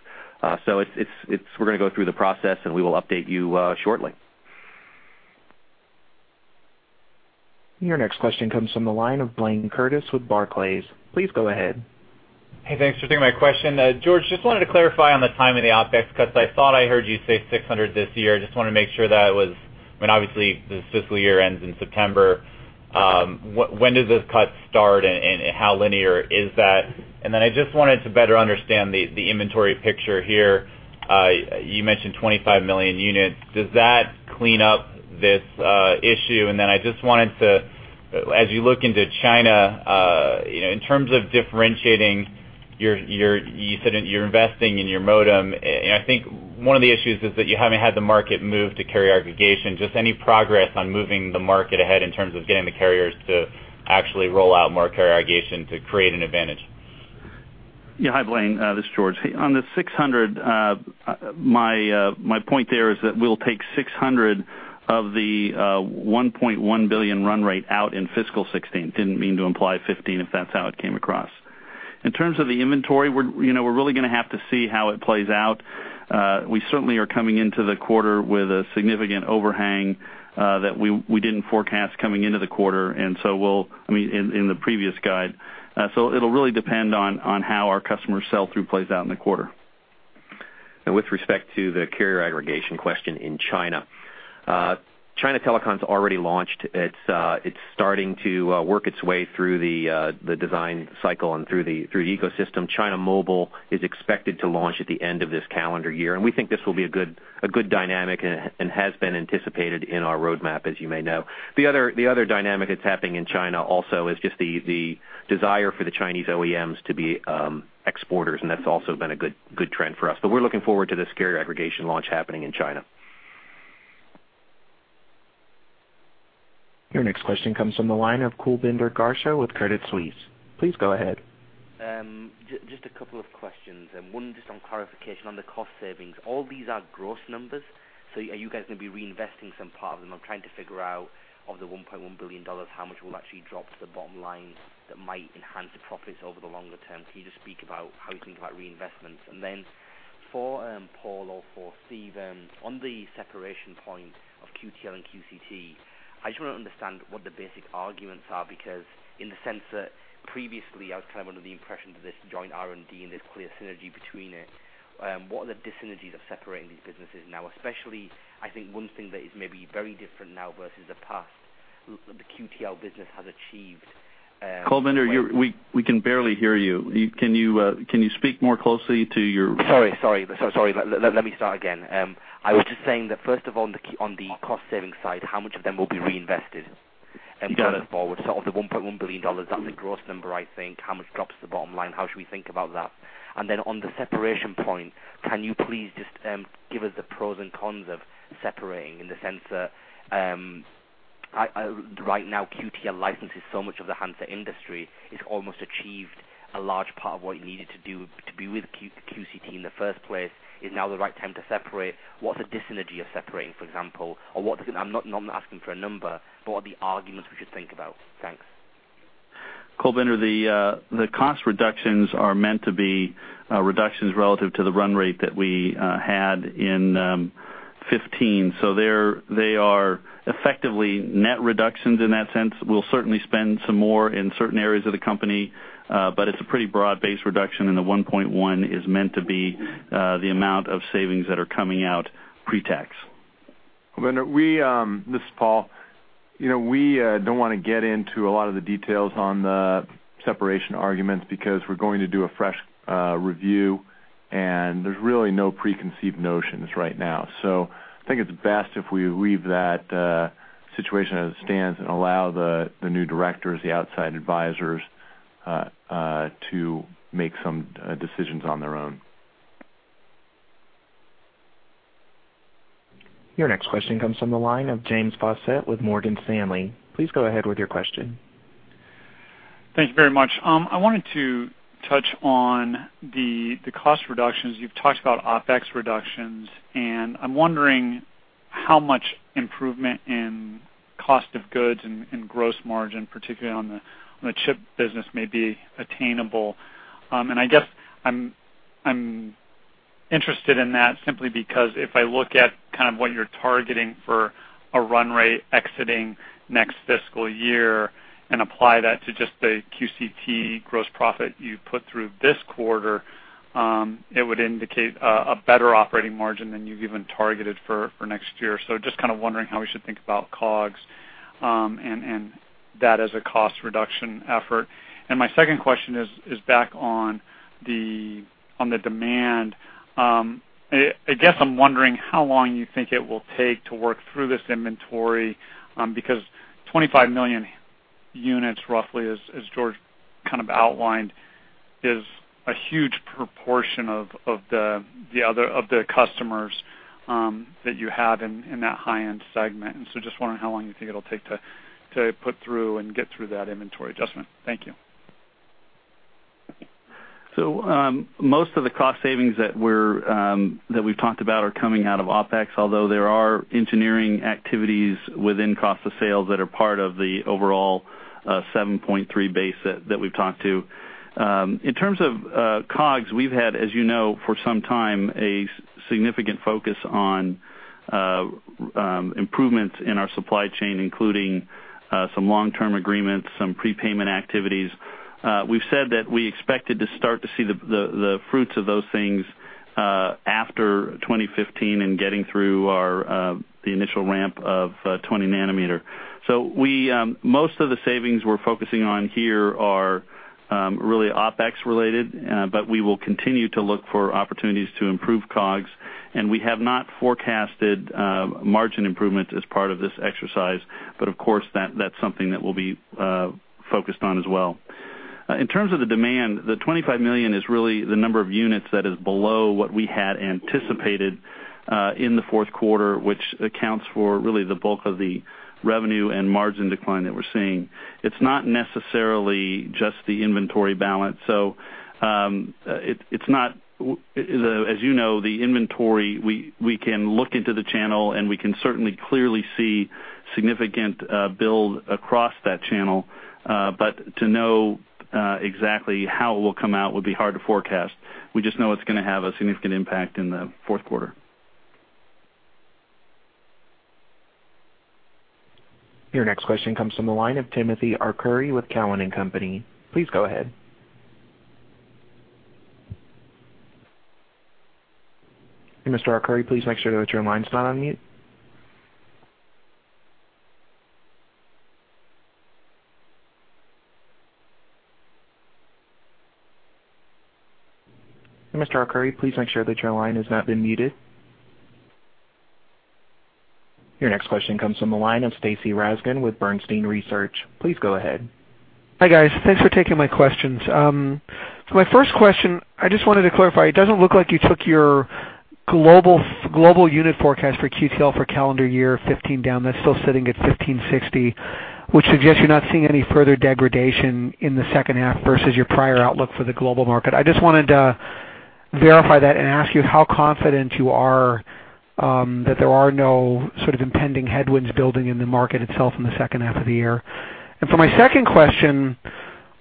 We're going to go through the process, and we will update you shortly. Your next question comes from the line of Blayne Curtis with Barclays. Please go ahead. Hey, thanks for taking my question. George, just wanted to clarify on the timing of the OpEx cuts. I thought I heard you say $600 this year. Just want to make sure that obviously, the fiscal year ends in September. When does this cut start, and how linear is that? I just wanted to better understand the inventory picture here. You mentioned 25 million units. Does that clean up this issue? I just wanted to, as you look into China, in terms of differentiating, you said you're investing in your modem, and I think one of the issues is that you haven't had the market move to carrier aggregation. Just any progress on moving the market ahead in terms of getting the carriers to actually roll out more carrier aggregation to create an advantage. Yeah. Hi, Blayne. This is George. On the $600, my point there is that we'll take $600 of the $1.1 billion run rate out in fiscal 2016. Didn't mean to imply 2015, if that's how it came across. In terms of the inventory, we're really going to have to see how it plays out. We certainly are coming into the quarter with a significant overhang that we didn't forecast coming into the quarter, in the previous guide. It'll really depend on how our customer sell-through plays out in the quarter. With respect to the carrier aggregation question in China Telecom's already launched. It's starting to work its way through the design cycle and through the ecosystem. China Mobile is expected to launch at the end of this calendar year, we think this will be a good dynamic and has been anticipated in our roadmap, as you may know. The other dynamic that's happening in China also is just the desire for the Chinese OEMs to be exporters, that's also been a good trend for us. We're looking forward to this carrier aggregation launch happening in China. Your next question comes from the line of Kulbinder Garcha with Credit Suisse. Please go ahead. Just a couple of questions, one just on clarification on the cost savings. All these are gross numbers, are you guys going to be reinvesting some part of them? I'm trying to figure out of the $1.1 billion, how much will actually drop to the bottom line that might enhance the profits over the longer term. Can you just speak about how you think about reinvestments? Then for Paul or for Steve, on the separation point of QTL and QCT, I just want to understand what the basic arguments are, in the sense that previously I was under the impression that this joint R&D and there's clear synergy between it. What are the dis-synergies of separating these businesses now? I think one thing that is maybe very different now versus the past, the QTL business has achieved- Kulbinder, we can barely hear you. Can you speak more closely to your- Sorry. Let me start again. I was just saying that first of all, on the cost savings side, how much of them will be reinvested going forward? Of the $1.1 billion, that's a gross number, I think. How much drops to the bottom line? How should we think about that? On the separation point, can you please just give us the pros and cons of separating in the sense that right now QTL licenses so much of the handset industry, it's almost achieved a large part of what you needed to do to be with QCT in the first place. Is now the right time to separate? What's a dis-synergy of separating, for example? I'm not asking for a number, but what are the arguments we should think about? Thanks. Kulbinder, the cost reductions are meant to be reductions relative to the run rate that we had in 2015. They are effectively net reductions in that sense. We'll certainly spend some more in certain areas of the company, but it's a pretty broad-based reduction, and the $1.1 is meant to be the amount of savings that are coming out pre-tax. Kulbinder, this is Paul. We don't want to get into a lot of the details on the separation arguments because we're going to do a fresh review, and there's really no preconceived notions right now. I think it's best if we leave that situation as it stands and allow the new directors, the outside advisors, to make some decisions on their own. Your next question comes from the line of James Faucette with Morgan Stanley. Please go ahead with your question. Thank you very much. I wanted to touch on the cost reductions. You've talked about OpEx reductions. I'm wondering how much improvement in cost of goods and gross margin, particularly on the chip business, may be attainable. I guess I'm interested in that simply because if I look at what you're targeting for a run rate exiting next fiscal year and apply that to just the QCT gross profit you put through this quarter, it would indicate a better operating margin than you've even targeted for next year. Just kind of wondering how we should think about COGS, and that as a cost reduction effort. My second question is back on the demand. I guess I'm wondering how long you think it will take to work through this inventory, because 25 million units, roughly, as George outlined, is a huge proportion of the customers that you have in that high-end segment. Just wondering how long you think it'll take to put through and get through that inventory adjustment. Thank you. Most of the cost savings that we've talked about are coming out of OpEx, although there are engineering activities within cost of sales that are part of the overall 7.3 base that we've talked to. In terms of COGS, we've had, as you know, for some time, a significant focus on improvements in our supply chain, including some long-term agreements, some prepayment activities. We've said that we expected to start to see the fruits of those things after 2015 in getting through the initial ramp of 20 nanometer. Most of the savings we're focusing on here are really OpEx related, but we will continue to look for opportunities to improve COGS. We have not forecasted margin improvement as part of this exercise. Of course, that's something that we'll be focused on as well. In terms of the demand, the 25 million is really the number of units that is below what we had anticipated in the fourth quarter, which accounts for really the bulk of the revenue and margin decline that we're seeing. It's not necessarily just the inventory balance. As you know, the inventory, we can look into the channel. We can certainly clearly see significant build across that channel. To know exactly how it will come out would be hard to forecast. We just know it's going to have a significant impact in the fourth quarter. Your next question comes from the line of Timothy Arcuri with Cowen and Company. Please go ahead. Mr. Arcuri, please make sure that your line's not on mute. Mr. Arcuri, please make sure that your line has not been muted. Your next question comes from the line of Stacy Rasgon with Bernstein Research. Please go ahead. Hi, guys. Thanks for taking my questions. My first question, I just wanted to clarify, it doesn't look like you took your global unit forecast for QTL for calendar year 2015 down. That's still sitting at 1,560, which suggests you're not seeing any further degradation in the second half versus your prior outlook for the global market. I just wanted to verify that and ask you how confident you are that there are no sort of impending headwinds building in the market itself in the second half of the year. For my second question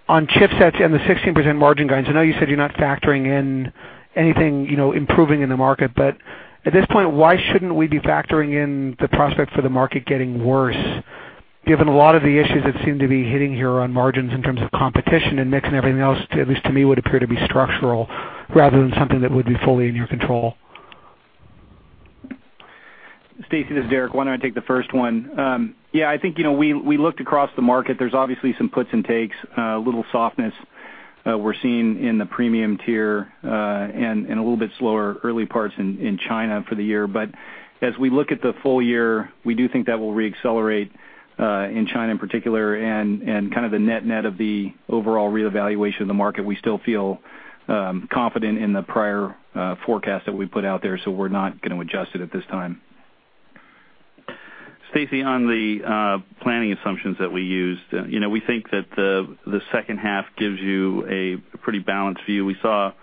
on chipsets and the 16% margin guidance, I know you said you're not factoring in anything improving in the market. At this point, why shouldn't we be factoring in the prospect for the market getting worse, given a lot of the issues that seem to be hitting here on margins in terms of competition and mix and everything else, at least to me, would appear to be structural rather than something that would be fully in your control? Stacy, this is Derek. Why don't I take the first one? Yeah, I think we looked across the market. There's obviously some puts and takes, a little softness we're seeing in the premium tier, and a little bit slower early parts in China for the year. As we look at the full year, we do think that will re-accelerate, in China in particular and kind of the net of the overall reevaluation of the market, we still feel confident in the prior forecast that we put out there, so we're not going to adjust it at this time. Stacy, on the planning assumptions that we used, we think that the second half gives you a pretty balanced view. We saw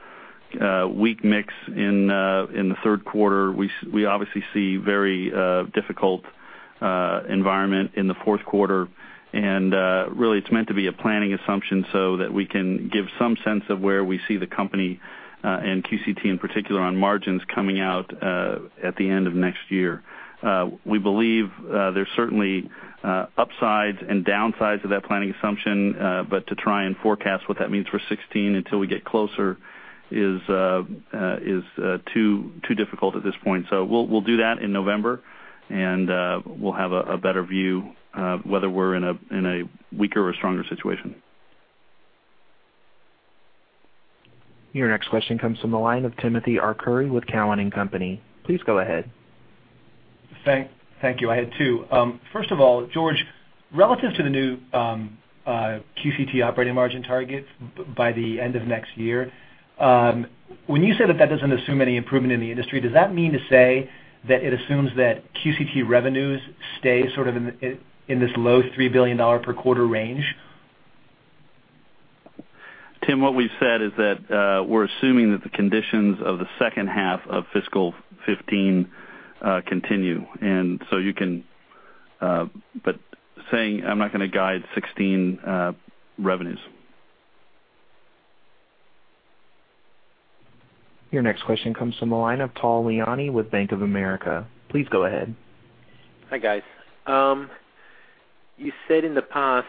a weak mix in the third quarter. We obviously see very difficult environment in the fourth quarter, really, it's meant to be a planning assumption so that we can give some sense of where we see the company, and QCT in particular, on margins coming out at the end of next year. We believe there's certainly upsides and downsides of that planning assumption, but to try and forecast what that means for 2016 until we get closer is too difficult at this point. We'll do that in November, and we'll have a better view whether we're in a weaker or stronger situation. Your next question comes from the line of Timothy Arcuri with Cowen and Company. Please go ahead. Thank you. I had two. First of all, George Relative to the new QCT operating margin target by the end of next year, when you say that doesn't assume any improvement in the industry, does that mean to say that it assumes that QCT revenues stay in this low $3 billion per quarter range? Tim, what we've said is that we're assuming that the conditions of the second half of fiscal 2015 continue. Saying I'm not going to guide 2016 revenues. Your next question comes from the line of Tal Liani with Bank of America. Please go ahead. Hi, guys. You said in the past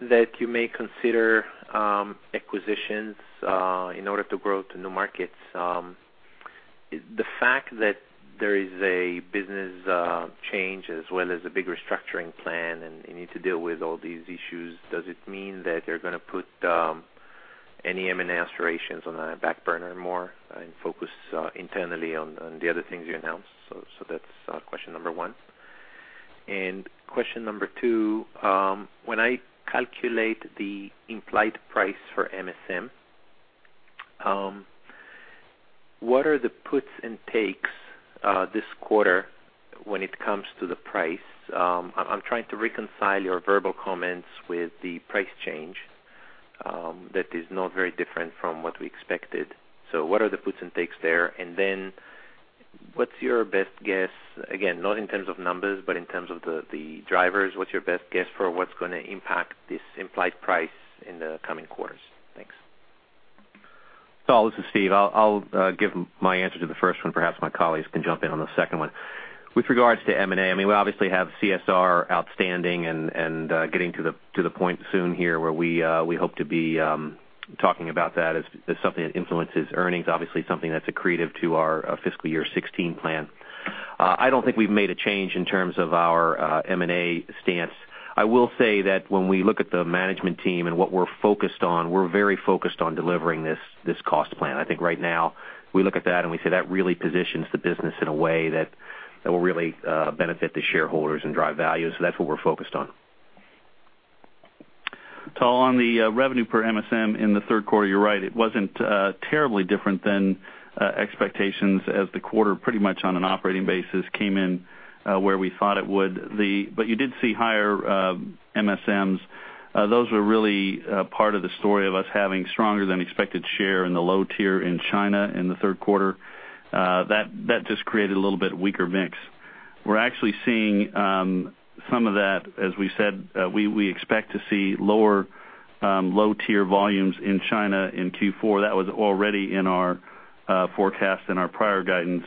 that you may consider acquisitions in order to grow to new markets. The fact that there is a business change as well as a big restructuring plan, and you need to deal with all these issues, does it mean that you're going to put any M&A aspirations on the back burner more and focus internally on the other things you announced? That's question number one. Question number two, when I calculate the implied price for MSM, what are the puts and takes this quarter when it comes to the price? I'm trying to reconcile your verbal comments with the price change that is not very different from what we expected. What are the puts and takes there? Then what's your best guess, again, not in terms of numbers, but in terms of the drivers, what's your best guess for what's going to impact this implied price in the coming quarters? Thanks. Tal, this is Steve. I'll give my answer to the first one. Perhaps my colleagues can jump in on the second one. With regards to M&A, we obviously have CSR outstanding and getting to the point soon here where we hope to be talking about that as something that influences earnings, obviously something that's accretive to our fiscal year 2016 plan. I don't think we've made a change in terms of our M&A stance. I will say that when we look at the management team and what we're focused on, we're very focused on delivering this cost plan. I think right now we look at that and we say that really positions the business in a way that will really benefit the shareholders and drive value. That's what we're focused on. Tal, on the revenue per MSM in the third quarter, you're right, it wasn't terribly different than expectations as the quarter pretty much on an operating basis came in where we thought it would. You did see higher MSMs. Those were really part of the story of us having stronger than expected share in the low tier in China in the third quarter. That just created a little bit weaker mix. We're actually seeing some of that, as we said, we expect to see lower low-tier volumes in China in Q4. That was already in our forecast in our prior guidance.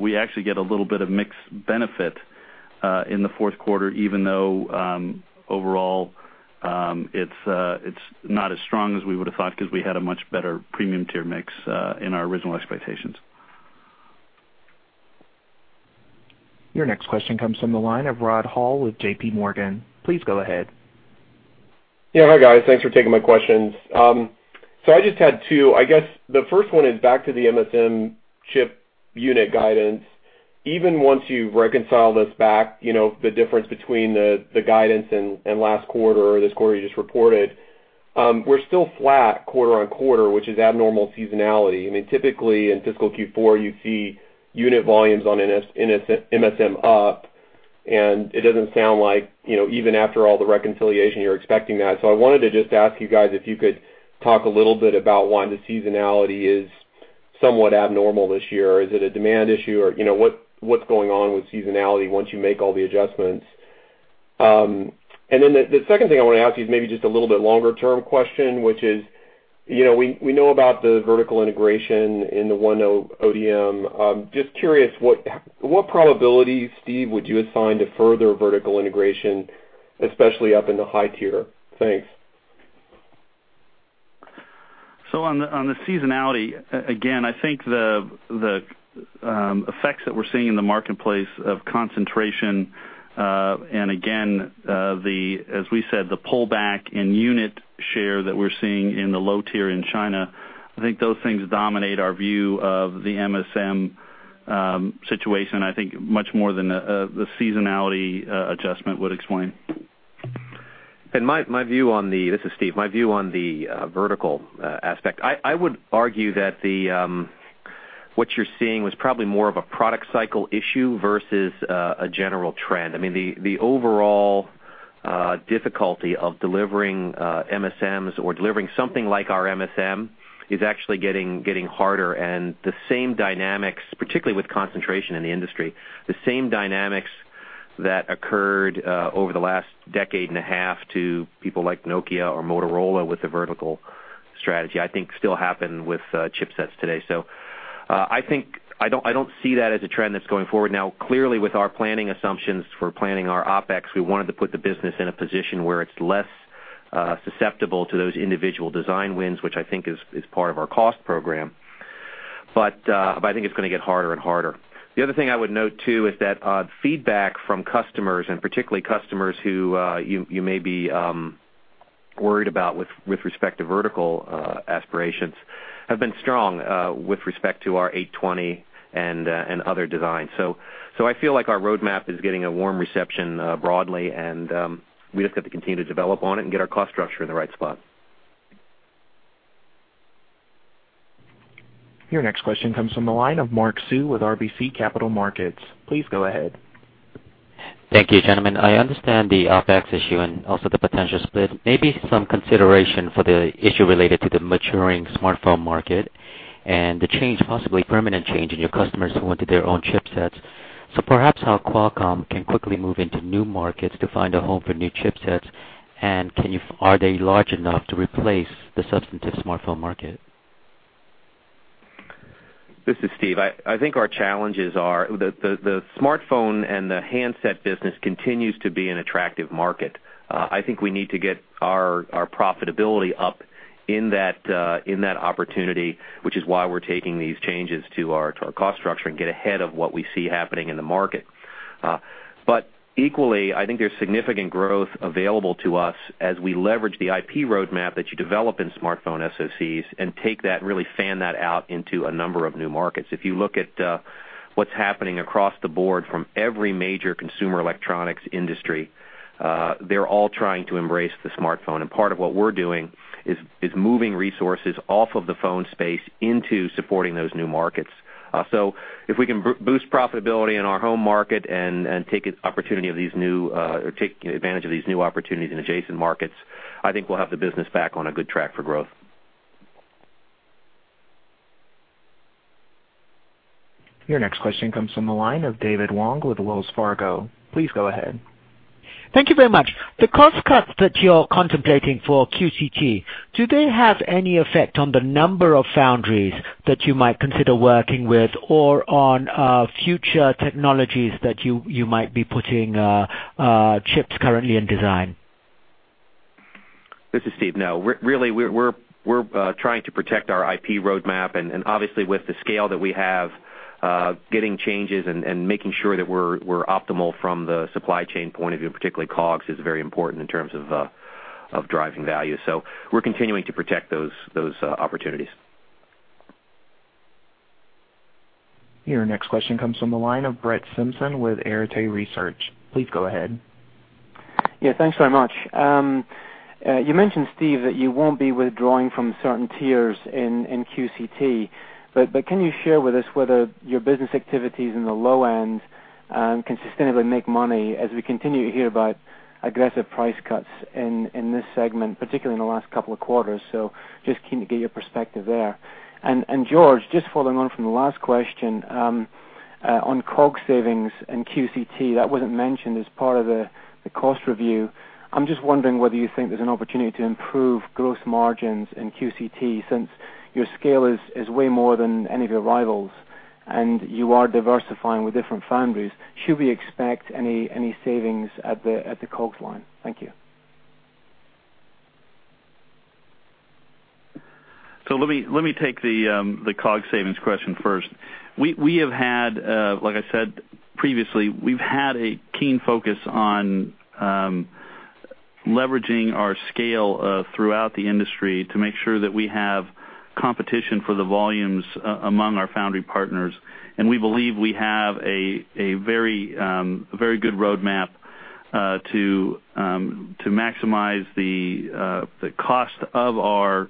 We actually get a little bit of mix benefit in the fourth quarter, even though overall it's not as strong as we would've thought because we had a much better premium tier mix in our original expectations. Your next question comes from the line of Rod Hall with J.P. Morgan. Please go ahead. Hi, guys. Thanks for taking my questions. I just had two, I guess the first one is back to the MSM chip unit guidance. Even once you've reconciled us back, the difference between the guidance and last quarter or this quarter you just reported, we're still flat quarter-on-quarter, which is abnormal seasonality. Typically, in fiscal Q4, you see unit volumes on MSM up, and it doesn't sound like, even after all the reconciliation, you're expecting that. I wanted to just ask you guys if you could talk a little bit about why the seasonality is somewhat abnormal this year. Is it a demand issue or what's going on with seasonality once you make all the adjustments? The second thing I want to ask you is maybe just a little bit longer-term question, which is, we know about the vertical integration in the 100 ODM. Just curious, what probability, Steve, would you assign to further vertical integration, especially up in the high tier? Thanks. On the seasonality, again, I think the effects that we're seeing in the marketplace of concentration, and again, as we said, the pullback in unit share that we're seeing in the low tier in China, I think those things dominate our view of the MSM situation, I think much more than the seasonality adjustment would explain. This is Steve. My view on the vertical aspect, I would argue that what you're seeing was probably more of a product cycle issue versus a general trend. The overall difficulty of delivering MSMs or delivering something like our MSM is actually getting harder and the same dynamics, particularly with concentration in the industry, the same dynamics that occurred over the last decade and a half to people like Nokia or Motorola with the vertical strategy, I think still happen with chipsets today. I don't see that as a trend that's going forward. Now, clearly, with our planning assumptions for planning our OpEx, we wanted to put the business in a position where it's less susceptible to those individual design wins, which I think is part of our cost program. I think it's going to get harder and harder. The other thing I would note, too, is that feedback from customers, and particularly customers who you may be worried about with respect to vertical aspirations have been strong with respect to our 820 and other designs. I feel like our roadmap is getting a warm reception broadly, and we just have to continue to develop on it and get our cost structure in the right spot. Your next question comes from the line of Mark Sue with RBC Capital Markets. Please go ahead. Thank you, gentlemen. I understand the OpEx issue and also the potential split, maybe some consideration for the issue related to the maturing smartphone market and the change, possibly permanent change, in your customers who went to their own chipsets. Perhaps how Qualcomm can quickly move into new markets to find a home for new chipsets, and are they large enough to replace the substantive smartphone market? This is Steve. I think our challenges are the smartphone and the handset business continues to be an attractive market. I think we need to get our profitability up in that opportunity, which is why we're taking these changes to our cost structure and get ahead of what we see happening in the market. Equally, I think there's significant growth available to us as we leverage the IP roadmap that you develop in smartphone SoCs and take that, really fan that out into a number of new markets. If you look at what's happening across the board from every major consumer electronics industry, they're all trying to embrace the smartphone. Part of what we're doing is moving resources off of the phone space into supporting those new markets. If we can boost profitability in our home market and take advantage of these new opportunities in adjacent markets, I think we'll have the business back on a good track for growth. Your next question comes from the line of David Wong with Wells Fargo. Please go ahead. Thank you very much. The cost cuts that you're contemplating for QCT, do they have any effect on the number of foundries that you might consider working with or on future technologies that you might be putting chips currently in design? This is Steve. No, really, we're trying to protect our IP roadmap and obviously with the scale that we have, getting changes and making sure that we're optimal from the supply chain point of view, particularly COGS, is very important in terms of driving value. We're continuing to protect those opportunities. Your next question comes from the line of Brett Simpson with Arete Research. Please go ahead. Thanks very much. You mentioned, Steve, that you won't be withdrawing from certain tiers in QCT, but can you share with us whether your business activities in the low end can sustainably make money as we continue to hear about aggressive price cuts in this segment, particularly in the last couple of quarters? Just keen to get your perspective there. George, just following on from the last question, on COGS savings and QCT, that wasn't mentioned as part of the cost review. I'm just wondering whether you think there's an opportunity to improve gross margins in QCT since your scale is way more than any of your rivals and you are diversifying with different foundries. Should we expect any savings at the COGS line? Thank you. Let me take the COGS savings question first. Like I said previously, we've had a keen focus on leveraging our scale throughout the industry to make sure that we have competition for the volumes among our foundry partners, and we believe we have a very good roadmap to maximize the cost of our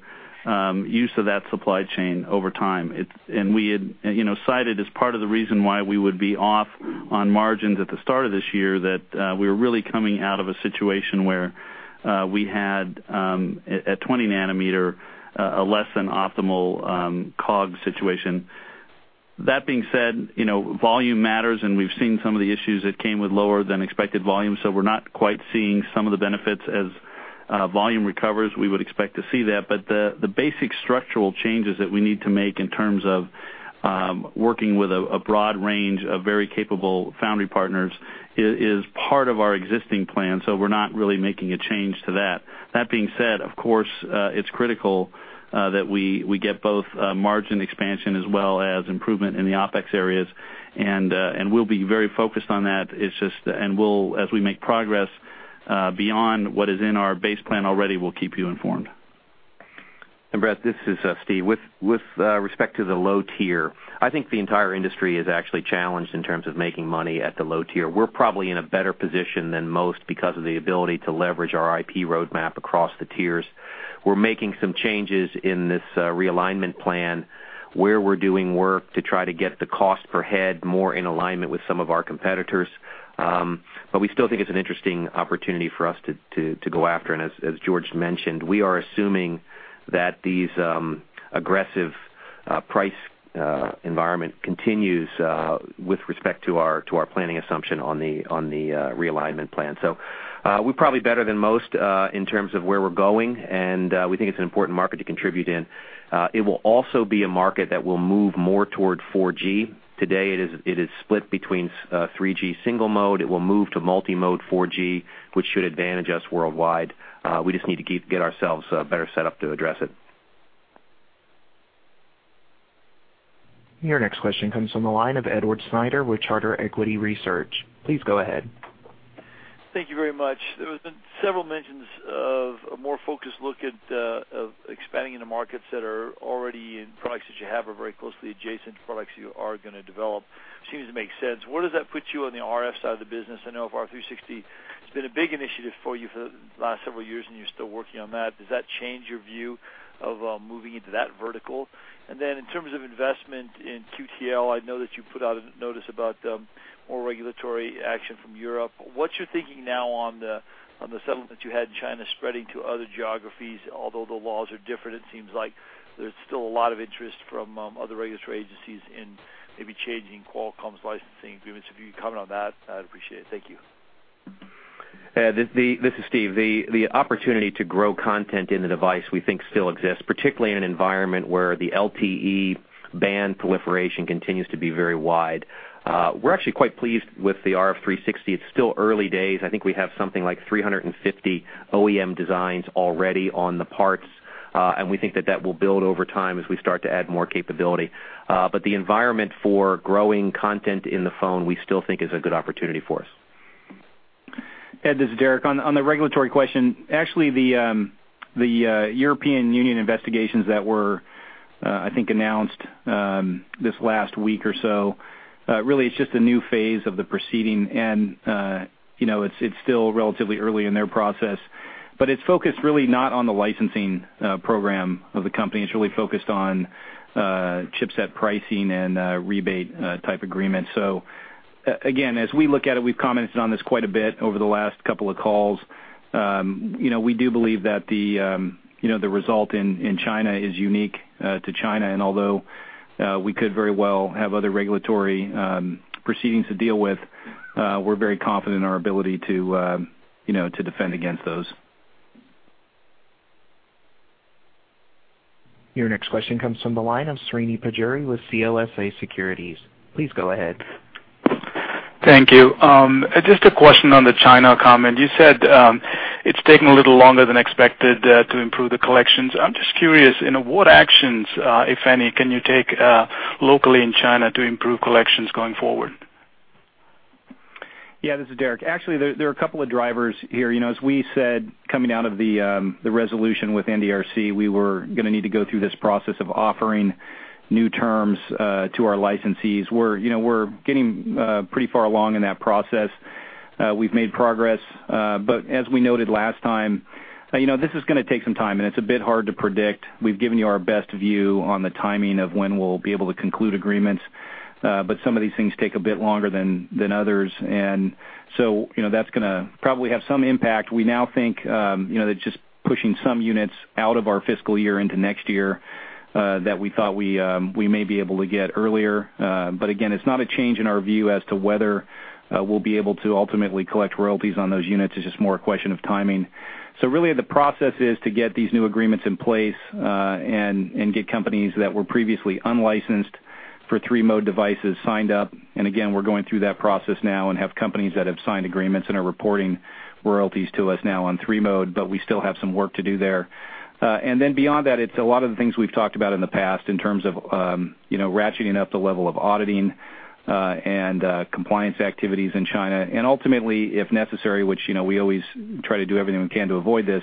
use of that supply chain over time. We had cited as part of the reason why we would be off on margins at the start of this year that we were really coming out of a situation where we had, at 20 nanometer, a less than optimal COGS situation. That being said, volume matters and we've seen some of the issues that came with lower than expected volume, so we're not quite seeing some of the benefits. As volume recovers, we would expect to see that. The basic structural changes that we need to make in terms of working with a broad range of very capable foundry partners is part of our existing plan, so we're not really making a change to that. That being said, of course, it's critical that we get both margin expansion as well as improvement in the OpEx areas. We'll be very focused on that. As we make progress beyond what is in our base plan already, we'll keep you informed. Brett, this is Steve. With respect to the low tier, I think the entire industry is actually challenged in terms of making money at the low tier. We're probably in a better position than most because of the ability to leverage our IP roadmap across the tiers. We're making some changes in this realignment plan where we're doing work to try to get the cost per head more in alignment with some of our competitors, but we still think it's an interesting opportunity for us to go after. As George mentioned, we are assuming that these aggressive price environment continues with respect to our planning assumption on the realignment plan. We're probably better than most in terms of where we're going, and we think it's an important market to contribute in. It will also be a market that will move more toward 4G. Today, it is split between 3G single mode. It will move to multi-mode 4G, which should advantage us worldwide. We just need to get ourselves better set up to address it. Your next question comes from the line of Edward Snyder with Charter Equity Research. Please go ahead. Thank you very much. There have been several mentions of a more focused look at expanding into markets that are already in products that you have or very closely adjacent products you are going to develop. Seems to make sense. Where does that put you on the RF side of the business? I know RF360 has been a big initiative for you for the last several years, and you're still working on that. Does that change your view of moving into that vertical? In terms of investment in QTL, I know that you put out a notice about more regulatory action from Europe. What's your thinking now on the settlement you had in China spreading to other geographies? Although the laws are different, it seems like there's still a lot of interest from other regulatory agencies in maybe changing Qualcomm's licensing agreements. If you could comment on that, I'd appreciate it. Thank you. Ed, this is Steve. The opportunity to grow content in the device we think still exists, particularly in an environment where the LTE band proliferation continues to be very wide. We're actually quite pleased with the RF360. It's still early days. I think we have something like 350 OEM designs already on the parts, and we think that that will build over time as we start to add more capability. The environment for growing content in the phone, we still think is a good opportunity for us. Ed, this is Derek. On the regulatory question, actually the European Union investigations that were, I think, announced this last week or so, really it's just a new phase of the proceeding and it's still relatively early in their process. It's focused really not on the licensing program of the company. It's really focused on chipset pricing and rebate type agreements. Again, as we look at it, we've commented on this quite a bit over the last couple of calls. We do believe that the result in China is unique to China, and although we could very well have other regulatory proceedings to deal with, we're very confident in our ability to defend against those. Your next question comes from the line of Srini Pajjuri with CLSA Securities. Please go ahead. Thank you. Just a question on the China comment. You said it's taking a little longer than expected to improve the collections. I'm just curious, what actions, if any, can you take locally in China to improve collections going forward? Yeah, this is Derek. Actually, there are a couple of drivers here. As we said, coming out of the resolution with NDRC, we were going to need to go through this process of offering new terms to our licensees. We're getting pretty far along in that process. We've made progress. As we noted last time, this is going to take some time, and it's a bit hard to predict. We've given you our best view on the timing of when we'll be able to conclude agreements, but some of these things take a bit longer than others, that's gonna probably have some impact. We now think that just pushing some units out of our fiscal year into next year that we thought we may be able to get earlier. Again, it's not a change in our view as to whether we'll be able to ultimately collect royalties on those units. It's just more a question of timing. Really the process is to get these new agreements in place, and get companies that were previously unlicensed for three-mode devices signed up. Again, we're going through that process now and have companies that have signed agreements and are reporting royalties to us now on three-mode, but we still have some work to do there. Beyond that, it's a lot of the things we've talked about in the past in terms of ratcheting up the level of auditing and compliance activities in China, and ultimately, if necessary, which we always try to do everything we can to avoid this,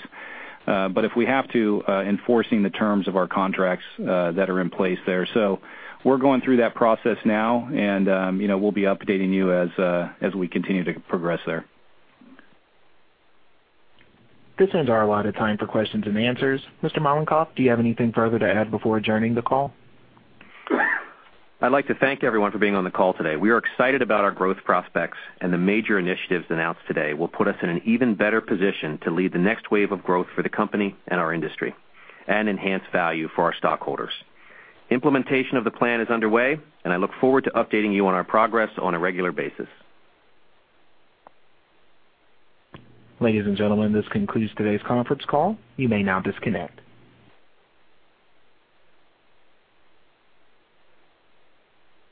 but if we have to, enforcing the terms of our contracts that are in place there. We're going through that process now, and we'll be updating you as we continue to progress there. This ends our allotted time for questions and answers. Mr. Mollenkopf, do you have anything further to add before adjourning the call? I'd like to thank everyone for being on the call today. We are excited about our growth prospects. The major initiatives announced today will put us in an even better position to lead the next wave of growth for the company and our industry, and enhance value for our stockholders. Implementation of the plan is underway. I look forward to updating you on our progress on a regular basis. Ladies and gentlemen, this concludes today's conference call. You may now disconnect.